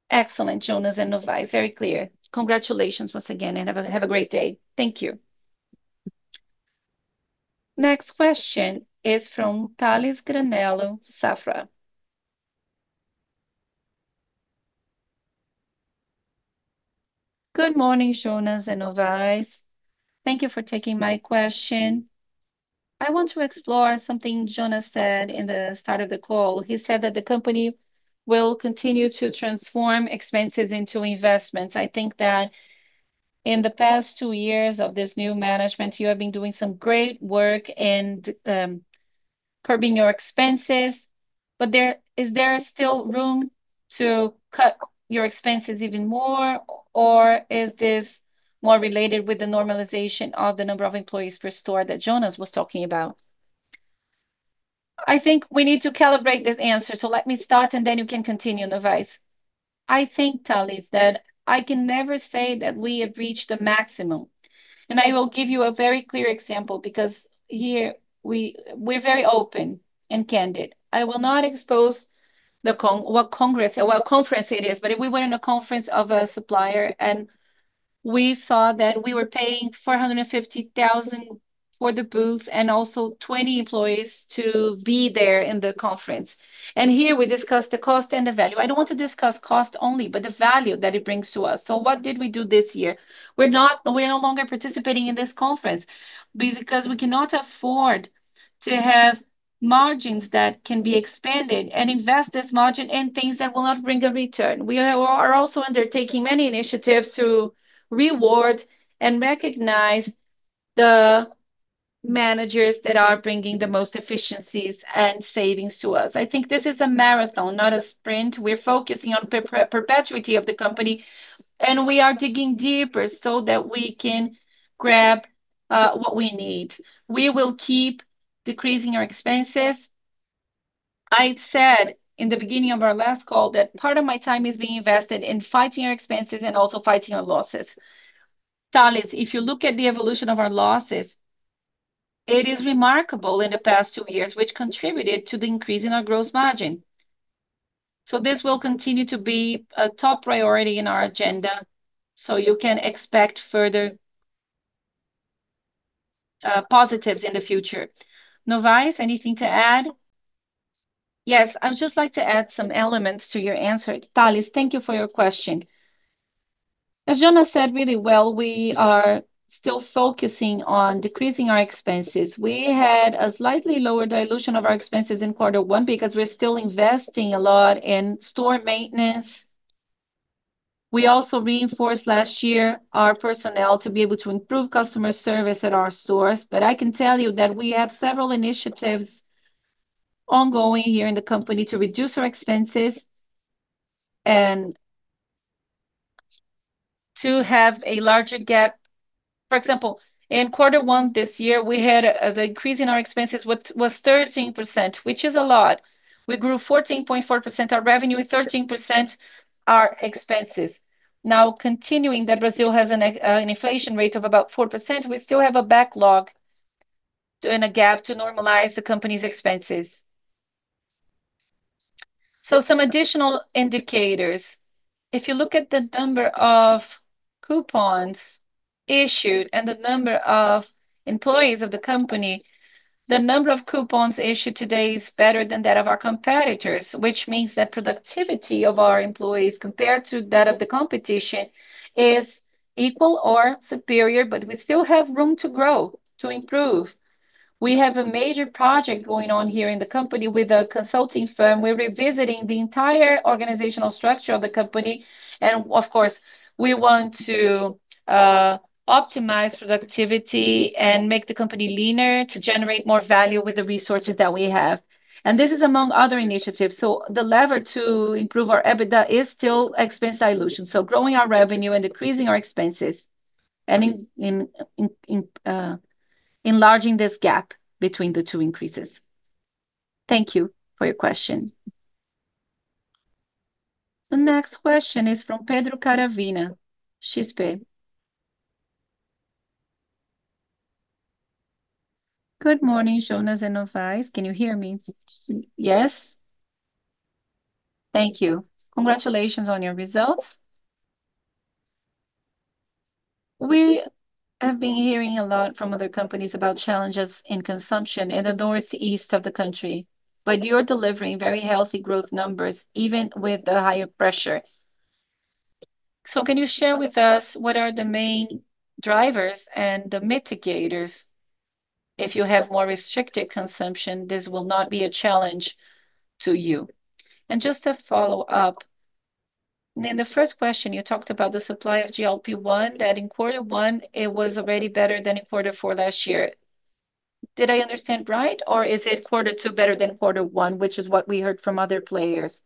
Excellent, Jonas and Novais. Very clear. Congratulations once again, and have a great day. Thank you. Next question is from Tales Granello Safra. Good morning, Jonas and Novais. Thank you for taking my question. I want to explore something Jonas said in the start of the call. He said that the company will continue to transform expenses into investments. I think that in the past two years of this new management you have been doing some great work in curbing your expenses. But is there still room to cut your expenses even more, or is this more related with the normalization of the number of employees per store that Jonas was talking about? I think we need to calibrate this answer, let me start you can continue, Novais. I think, Tales, that I can never say that we have reached the maximum. I will give you a very clear example because here we're very open and candid. I will not expose what congress, what conference it is, if we went in a conference of a supplier We saw that we were paying 450,000 for the booth, also 20 employees to be there in the conference. Here we discuss the cost and the value. I don't want to discuss cost only, the value that it brings to us. What did we do this year? We're no longer participating in this conference because we cannot afford to have margins that can be expanded, and invest this margin in things that will not bring a return. We are also undertaking many initiatives to reward and recognize the managers that are bringing the most efficiencies and savings to us. I think this is a marathon, not a sprint. We're focusing on perpetuity of the company, and we are digging deeper so that we can grab what we need. We will keep decreasing our expenses. I said in the beginning of our last call that part of my time is being invested in fighting our expenses and also fighting our losses. Tales, if you look at the evolution of our losses, it is remarkable in the past two years, which contributed to the increase in our gross margin. This will continue to be a top priority in our agenda, you can expect further positives in the future. Novais, anything to add? Yes, I would just like to add some elements to your answer. Tales, thank you for your question. As Jonas said really well, we are still focusing on decreasing our expenses. We had a slightly lower dilution of our expenses in quarter one because we're still investing a lot in store maintenance. We also reinforced last year our personnel to be able to improve customer service at our stores. I can tell you that we have several initiatives ongoing here in the company to reduce our expenses and to have a larger gap. For example, in quarter one this year, we had the increase in our expenses was 13%, which is a lot. We grew 14.4% our revenue and 13% our expenses. Continuing that Brazil has an inflation rate of about 4%, we still have a backlog and a gap to normalize the company's expenses. Some additional indicators. If you look at the number of coupons issued and the number of employees of the company, the number of coupons issued today is better than that of our competitors, which means that productivity of our employees compared to that of the competition is equal or superior, but we still have room to grow, to improve. We have a major project going on here in the company with a consulting firm. We're revisiting the entire organizational structure of the company. Of course, we want to optimize productivity and make the company leaner to generate more value with the resources that we have. This is among other initiatives. The lever to improve our EBITDA is still expense dilution, growing our revenue and decreasing our expenses, and enlarging this gap between the two increases. Thank you for your question. The next question is from Pedro Caravina. Good morning, Jonas and Novais. Can you hear me? Yes. Thank you. Congratulations on your results. We have been hearing a lot from other companies about challenges in consumption in the northeast of the country. You're delivering very healthy growth numbers, even with the higher pressure. Can you share with us what are the main drivers and the mitigators? If you have more restricted consumption, this will not be a challenge to you. Just to follow up, in the first question, you talked about the supply of GLP-1, that in quarter one it was already better than in quarter four last year. Did I understand right, or is it quarter two better than quarter one, which is what we heard from other players?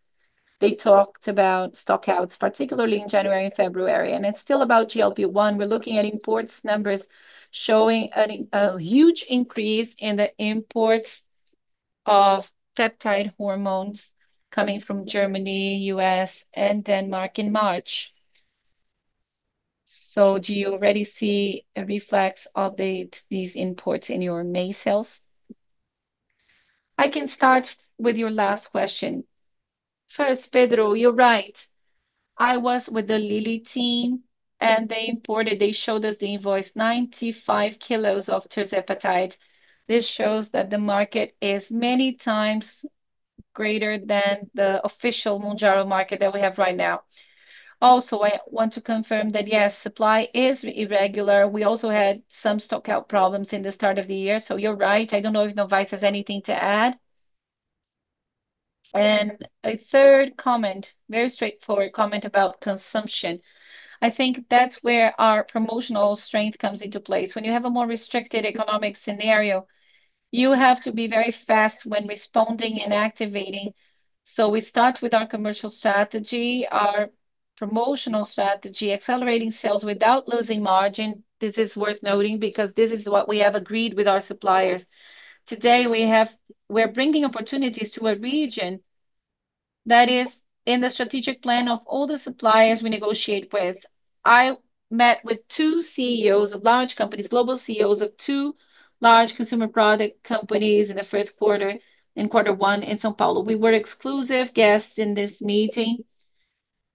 They talked about stock outs, particularly in January and February, and it is still about GLP-1. We are looking at imports numbers showing a huge increase in the imports of peptide hormones coming from Germany, U.S., and Denmark in March. Do you already see a reflex of these imports in your May sales? I can start with your last question. First, Pedro, you are right. I was with the Lilly team, and they imported, they showed us the invoice, 95 kilos of tirzepatide. This shows that the market is many times greater than the official Mounjaro market that we have right now. I want to confirm that, yes, supply is irregular. We also had some stockout problems in the start of the year. You're right. I don't know if Novais has anything to add. A third comment, very straightforward comment about consumption. I think that's where our promotional strength comes into place. When you have a more restricted economic scenario, you have to be very fast when responding and activating. We start with our commercial strategy, our promotional strategy, accelerating sales without losing margin. This is worth noting because this is what we have agreed with our suppliers. Today, we're bringing opportunities to a region that is in the strategic plan of all the suppliers we negotiate with. I met with two CEOs of large companies, global CEOs of two large consumer product companies in the first quarter, in quarter one in São Paulo. We were exclusive guests in this meeting.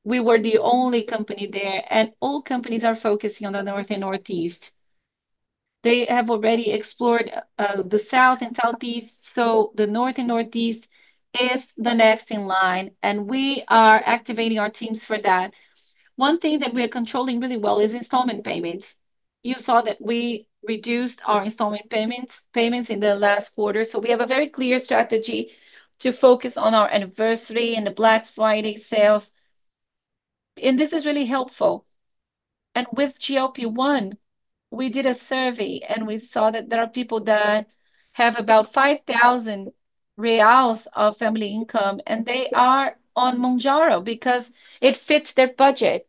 We were the only company there, and all companies are focusing on the north and northeast. They have already explored the south and southeast, so the north and northeast is the next in line, and we are activating our teams for that. One thing that we are controlling really well is installment payments. You saw that we reduced our installment payments in the last quarter, so we have a very clear strategy to focus on our anniversary and the Black Friday sales. This is really helpful. With GLP-1, we did a survey and we saw that there are people that have about 5,000 reais of family income, and they are on Mounjaro because it fits their budget.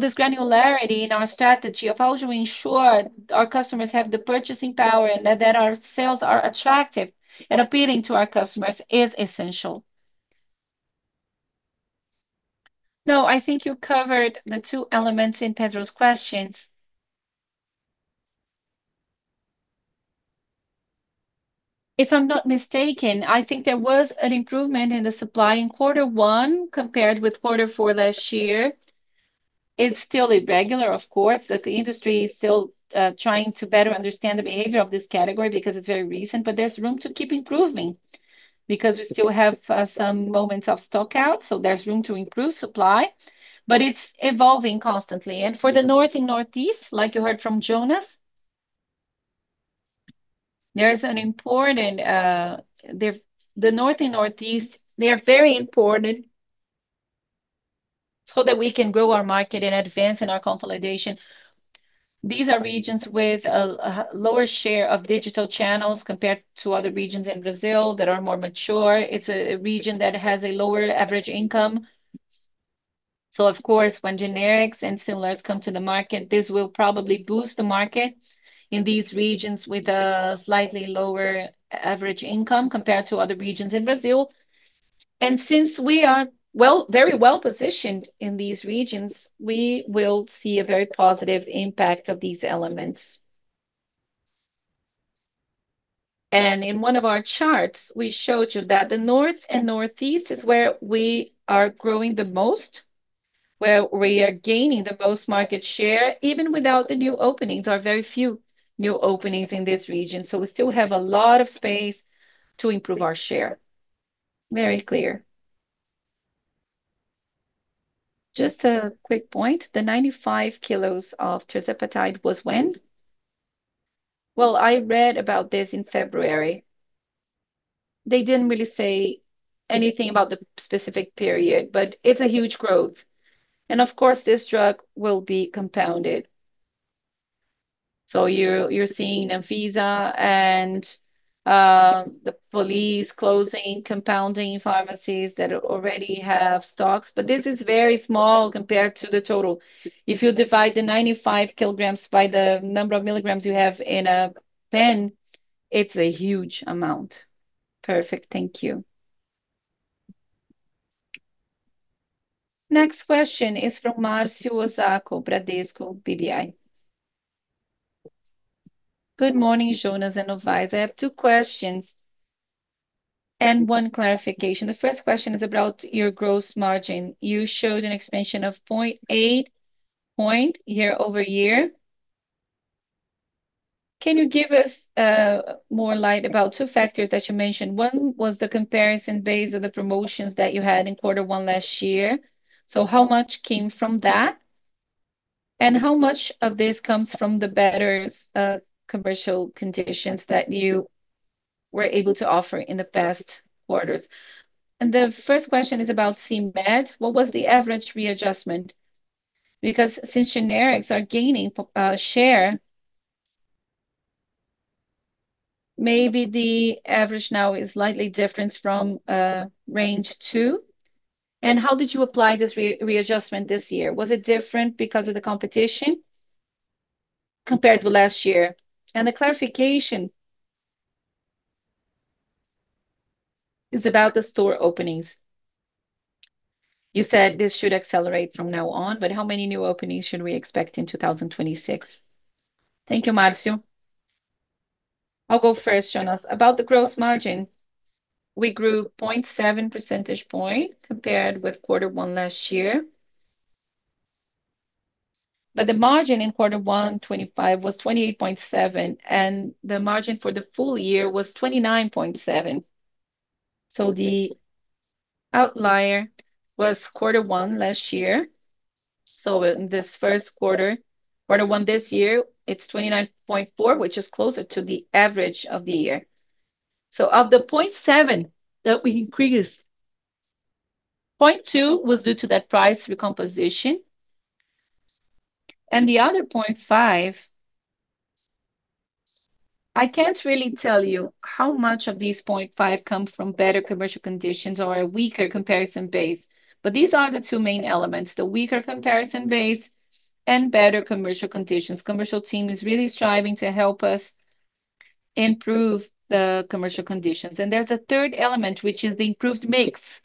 This granularity in our strategy of how to ensure our customers have the purchasing power and that our sales are attractive and appealing to our customers is essential. I think you covered the two elements in Pedro's questions. If I'm not mistaken, I think there was an improvement in the supply in quarter one compared with quarter four last year. It's still irregular, of course. The industry is still trying to better understand the behavior of this category because it's very recent, but there's room to keep improving because we still have some moments of stockout, there's room to improve supply. It's evolving constantly. For the north and northeast, like you heard from Jonas, The north and northeast, they are very important so that we can grow our market and advance in our consolidation. These are regions with a lower share of digital channels compared to other regions in Brazil that are more mature. It's a region that has a lower average income. Of course when generics and similars come to the market, this will probably boost the market in these regions with a slightly lower average income compared to other regions in Brazil. Since we are well, very well-positioned in these regions, we will see a very positive impact of these elements. In one of our charts, we showed you that the north and northeast is where we are growing the most, where we are gaining the most market share even without the new openings. Are very few new openings in this region, so we still have a lot of space to improve our share. Very clear. Just a quick point, the 95 kilos of tirzepatide was when? Well, I read about this in February. They didn't really say anything about the specific period, but it's a huge growth. Of course, this drug will be compounded. You're seeing Anvisa and the police closing compounding pharmacies that already have stocks, but this is very small compared to the total. If you divide the 95 kilograms by the number of milligrams you have in a pen, it's a huge amount. Perfect. Thank you. Next question is from Marcio Osako, Bradesco BBI. Good morning, Jonas and Novais. I have two questions and one clarification. The first question is about your gross margin. You showed an expansion of 0.8 point year-over-year. Can you give us more light about two factors that you mentioned? One was the comparison base of the promotions that you had in quarter one last year, how much came from that? How much of this comes from the better commercial conditions that you were able to offer in the past quarters? The first question is about CMED. What was the average readjustment? Since generics are gaining share, maybe the average now is slightly different from range two. How did you apply this readjustment this year? Was it different because of the competition compared to last year? The clarification is about the store openings. You said this should accelerate from now on, but how many new openings should we expect in 2026? Thank you, Marcio. I'll go first, Jonas. About the gross margin, we grew 0.7 percentage point compared with quarter one last year. The margin in quarter one 2025 was 28.7%, and the margin for the full year was 29.7%. The outlier was quarter one last year. In this first quarter one this year, it's 29.4%, which is closer to the average of the year. Of the 0.7 percentage point that we increased, 0.2percentage point was due to that price recomposition, and the other 0.5 percentage point, I can't really tell you how much of this 0.5 percentage point come from better commercial conditions or a weaker comparison base. These are the two main elements, the weaker comparison base and better commercial conditions. Commercial team is really striving to help us improve the commercial conditions. There's a third element, which is the improved mix.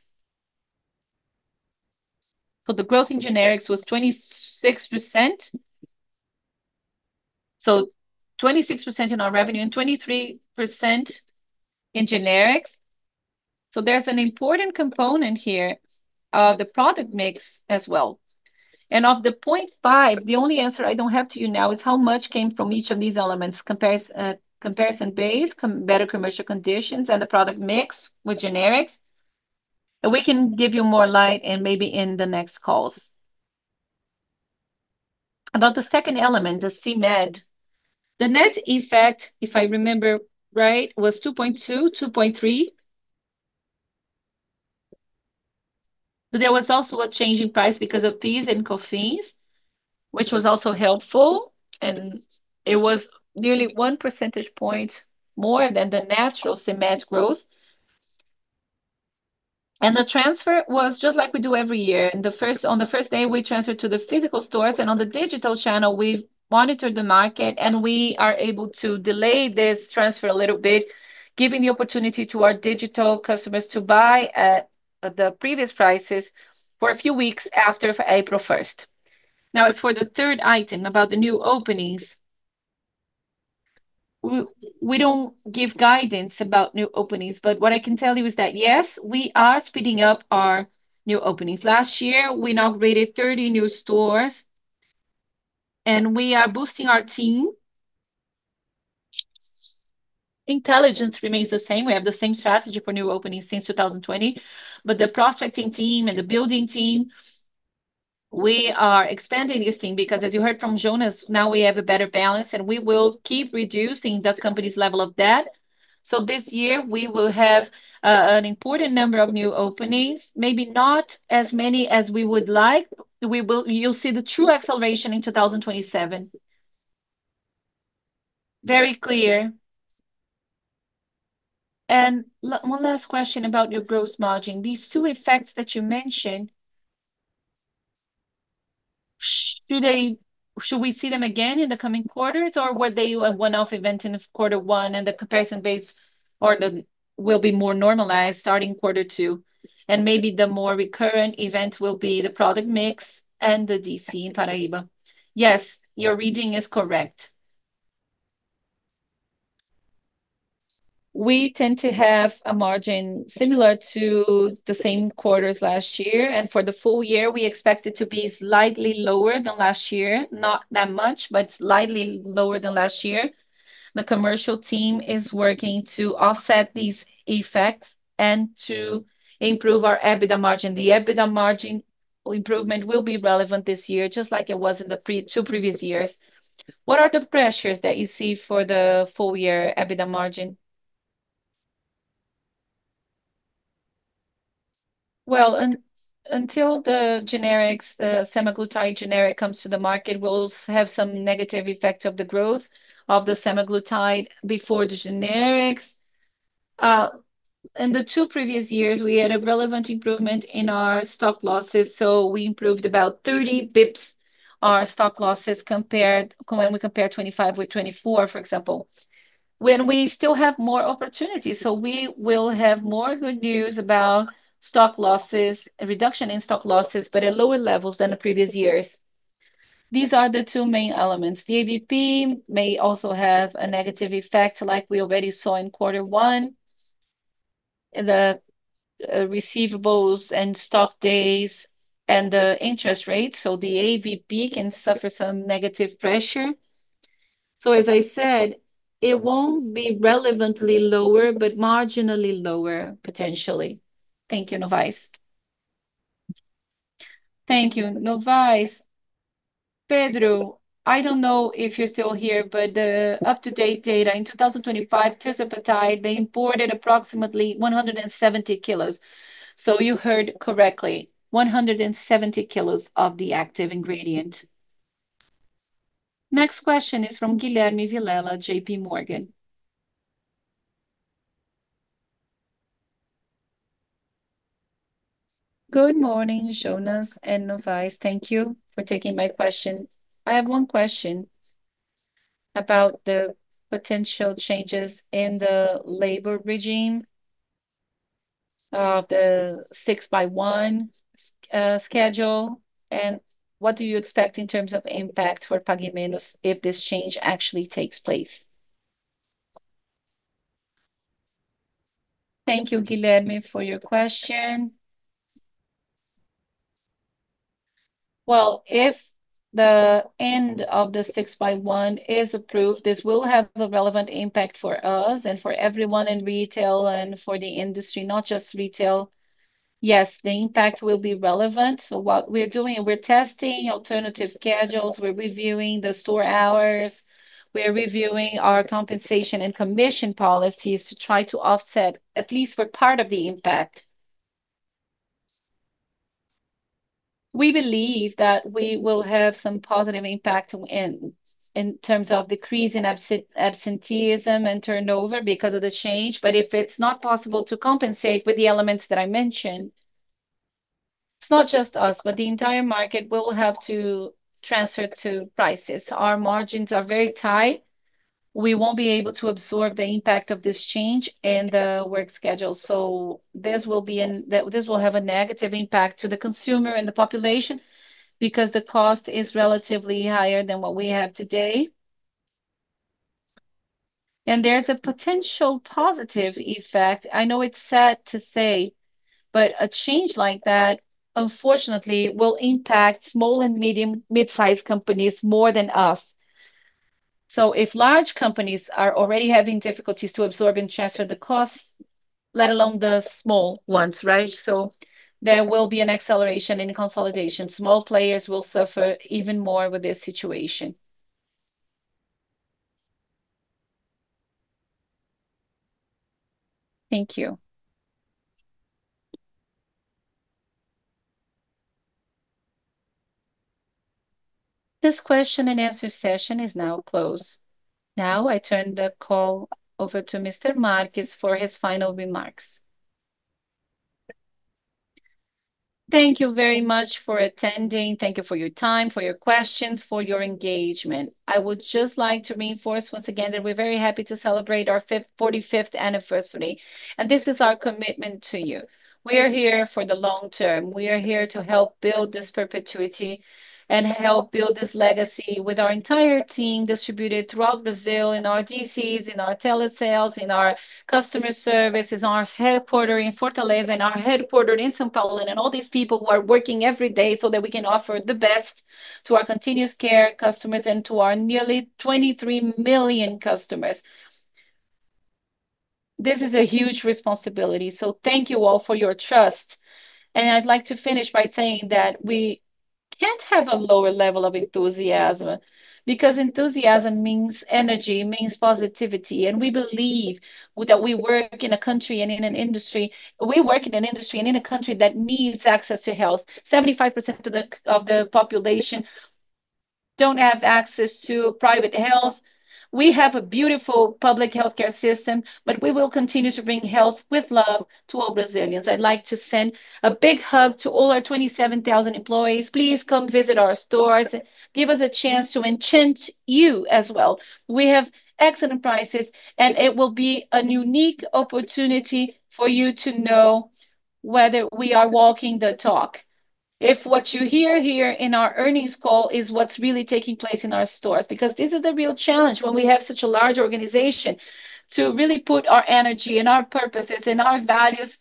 For the growth in generics was 26%. 26% in our revenue and 23% in generics. There's an important component here of the product mix as well. Of the 0.5 percentage point, the only answer I don't have to you now is how much came from each of these elements. Comparison base, better commercial conditions, and the product mix with generics. We can give you more light and maybe in the next calls. About the second element, the CMED, the net effect, if I remember right, was 2.2, 2.3 percentage point. There was also a change in price because of fees and co-fees, which was also helpful, and it was nearly 1 percentage point more than the natural CMED growth. The transfer was just like we do every year. On the first day, we transfer to the physical stores, and on the digital channel, we monitor the market, and we are able to delay this transfer a little bit, giving the opportunity to our digital customers to buy at the previous prices for a few weeks after April first. Now, as for the third item about the new openings, we don't give guidance about new openings, but what I can tell you is that, yes, we are speeding up our new openings. Last year, we inaugurated 30 new stores, and we are boosting our team. Intelligence remains the same. We have the same strategy for new openings since 2020. The prospecting team and the building team, we are expanding this team because as you heard from Jonas, now we have a better balance, and we will keep reducing the company's level of debt. This year we will have an important number of new openings, maybe not as many as we would like. You'll see the true acceleration in 2027. Very clear. One last question about your gross margin. These two effects that you mentioned, should we see them again in the coming quarters, or were they a one-off event in quarter one and the comparison base will be more normalized starting quarter two, and maybe the more recurrent event will be the product mix and the DC in Paraíba? Yes, your reading is correct. We tend to have a margin similar to the same quarters last year, and for the full year, we expect it to be slightly lower than last year. Not that much, slightly lower than last year. The commercial team is working to offset these effects and to improve our EBITDA margin. The EBITDA margin improvement will be relevant this year, just like it was in the two previous years. What are the pressures that you see for the full year EBITDA margin? Until the generics, semaglutide generic comes to the market, we'll have some negative effects of the growth of the semaglutide before the generics. In the two previous years, we had a relevant improvement in our stock losses, we improved about 30 basis points. When we compare 2025 with 2024, for example. When we still have more opportunities, so we will have more good news about stock losses, a reduction in stock losses, but at lower levels than the previous years. These are the two main elements. The AVP may also have a negative effect like we already saw in quarter one. The receivables and stock days and the interest rate, so the AVP can suffer some negative pressure. As I said, it won't be relevantly lower, but marginally lower potentially. Thank you, Novais. Thank you, Novais. Pedro, I don't know if you're still here, but the up-to-date data in 2025, tirzepatide, they imported approximately 170 kilos. You heard correctly, 170 kilos of the active ingredient. Next question is from Guilherme Vilela, J.P. Morgan. Good morning, Jonas and Novais. Thank you for taking my question. I have one question about the potential changes in the labor regime of the 6 by 1 schedule, what do you expect in terms of impact for Pague Menos if this change actually takes place? Thank you, Guilherme, for your question. If the end of the 6 by 1 is approved, this will have a relevant impact for us and for everyone in retail and for the industry, not just retail. The impact will be relevant. What we're doing, we're testing alternative schedules. We're reviewing the store hours. We're reviewing our compensation and commission policies to try to offset at least for part of the impact. We believe that we will have some positive impact in terms of decrease in absenteeism and turnover because of the change. If it's not possible to compensate with the elements that I mentioned, it's not just us, but the entire market will have to transfer to prices. Our margins are very tight. We won't be able to absorb the impact of this change in the work schedule, this will have a negative impact to the consumer and the population because the cost is relatively higher than what we have today. There's a potential positive effect. I know it's sad to say, a change like that unfortunately will impact small and mid-size companies more than us. If large companies are already having difficulties to absorb and transfer the costs, let alone the small ones, right? There will be an acceleration in consolidation. Small players will suffer even more with this situation. Thank you. This question and answer session is now closed. Now I turn the call over to Mr. Marques for his final remarks. Thank you very much for attending. Thank you for your time, for your questions, for your engagement. I would just like to reinforce once again that we're very happy to celebrate our forty-fifth anniversary. This is our commitment to you. We are here for the long term. We are here to help build this perpetuity and help build this legacy with our entire team distributed throughout Brazil, in our DCs, in our telesales, in our customer services, in our headquarter in Fortaleza, in our headquarter in São Paulo, all these people who are working every day so that we can offer the best to our continuous care customers and to our nearly 23 million customers. This is a huge responsibility. Thank you all for your trust. I'd like to finish by saying that we can't have a lower level of enthusiasm, because enthusiasm means energy, means positivity, and we believe We work in an industry and in a country that needs access to health. 75% of the population don't have access to private health. We have a beautiful public healthcare system, We will continue to bring health with love to all Brazilians. I'd like to send a big hug to all our 27,000 employees. Please come visit our stores. Give us a chance to enchant you as well. We have excellent prices, It will be an unique opportunity for you to know whether we are walking the talk. If what you hear here in our earnings call is what's really taking place in our stores, because this is the real challenge when we have such a large organization, to really put our energy and our purposes and our values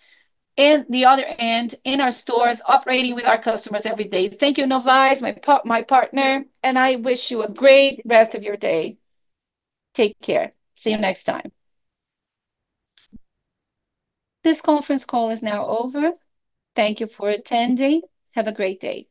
in the other end, in our stores, operating with our customers every day. Thank you, Novais, my partner, and I wish you a great rest of your day. Take care. See you next time. This conference call is now over. Thank you for attending. Have a great day.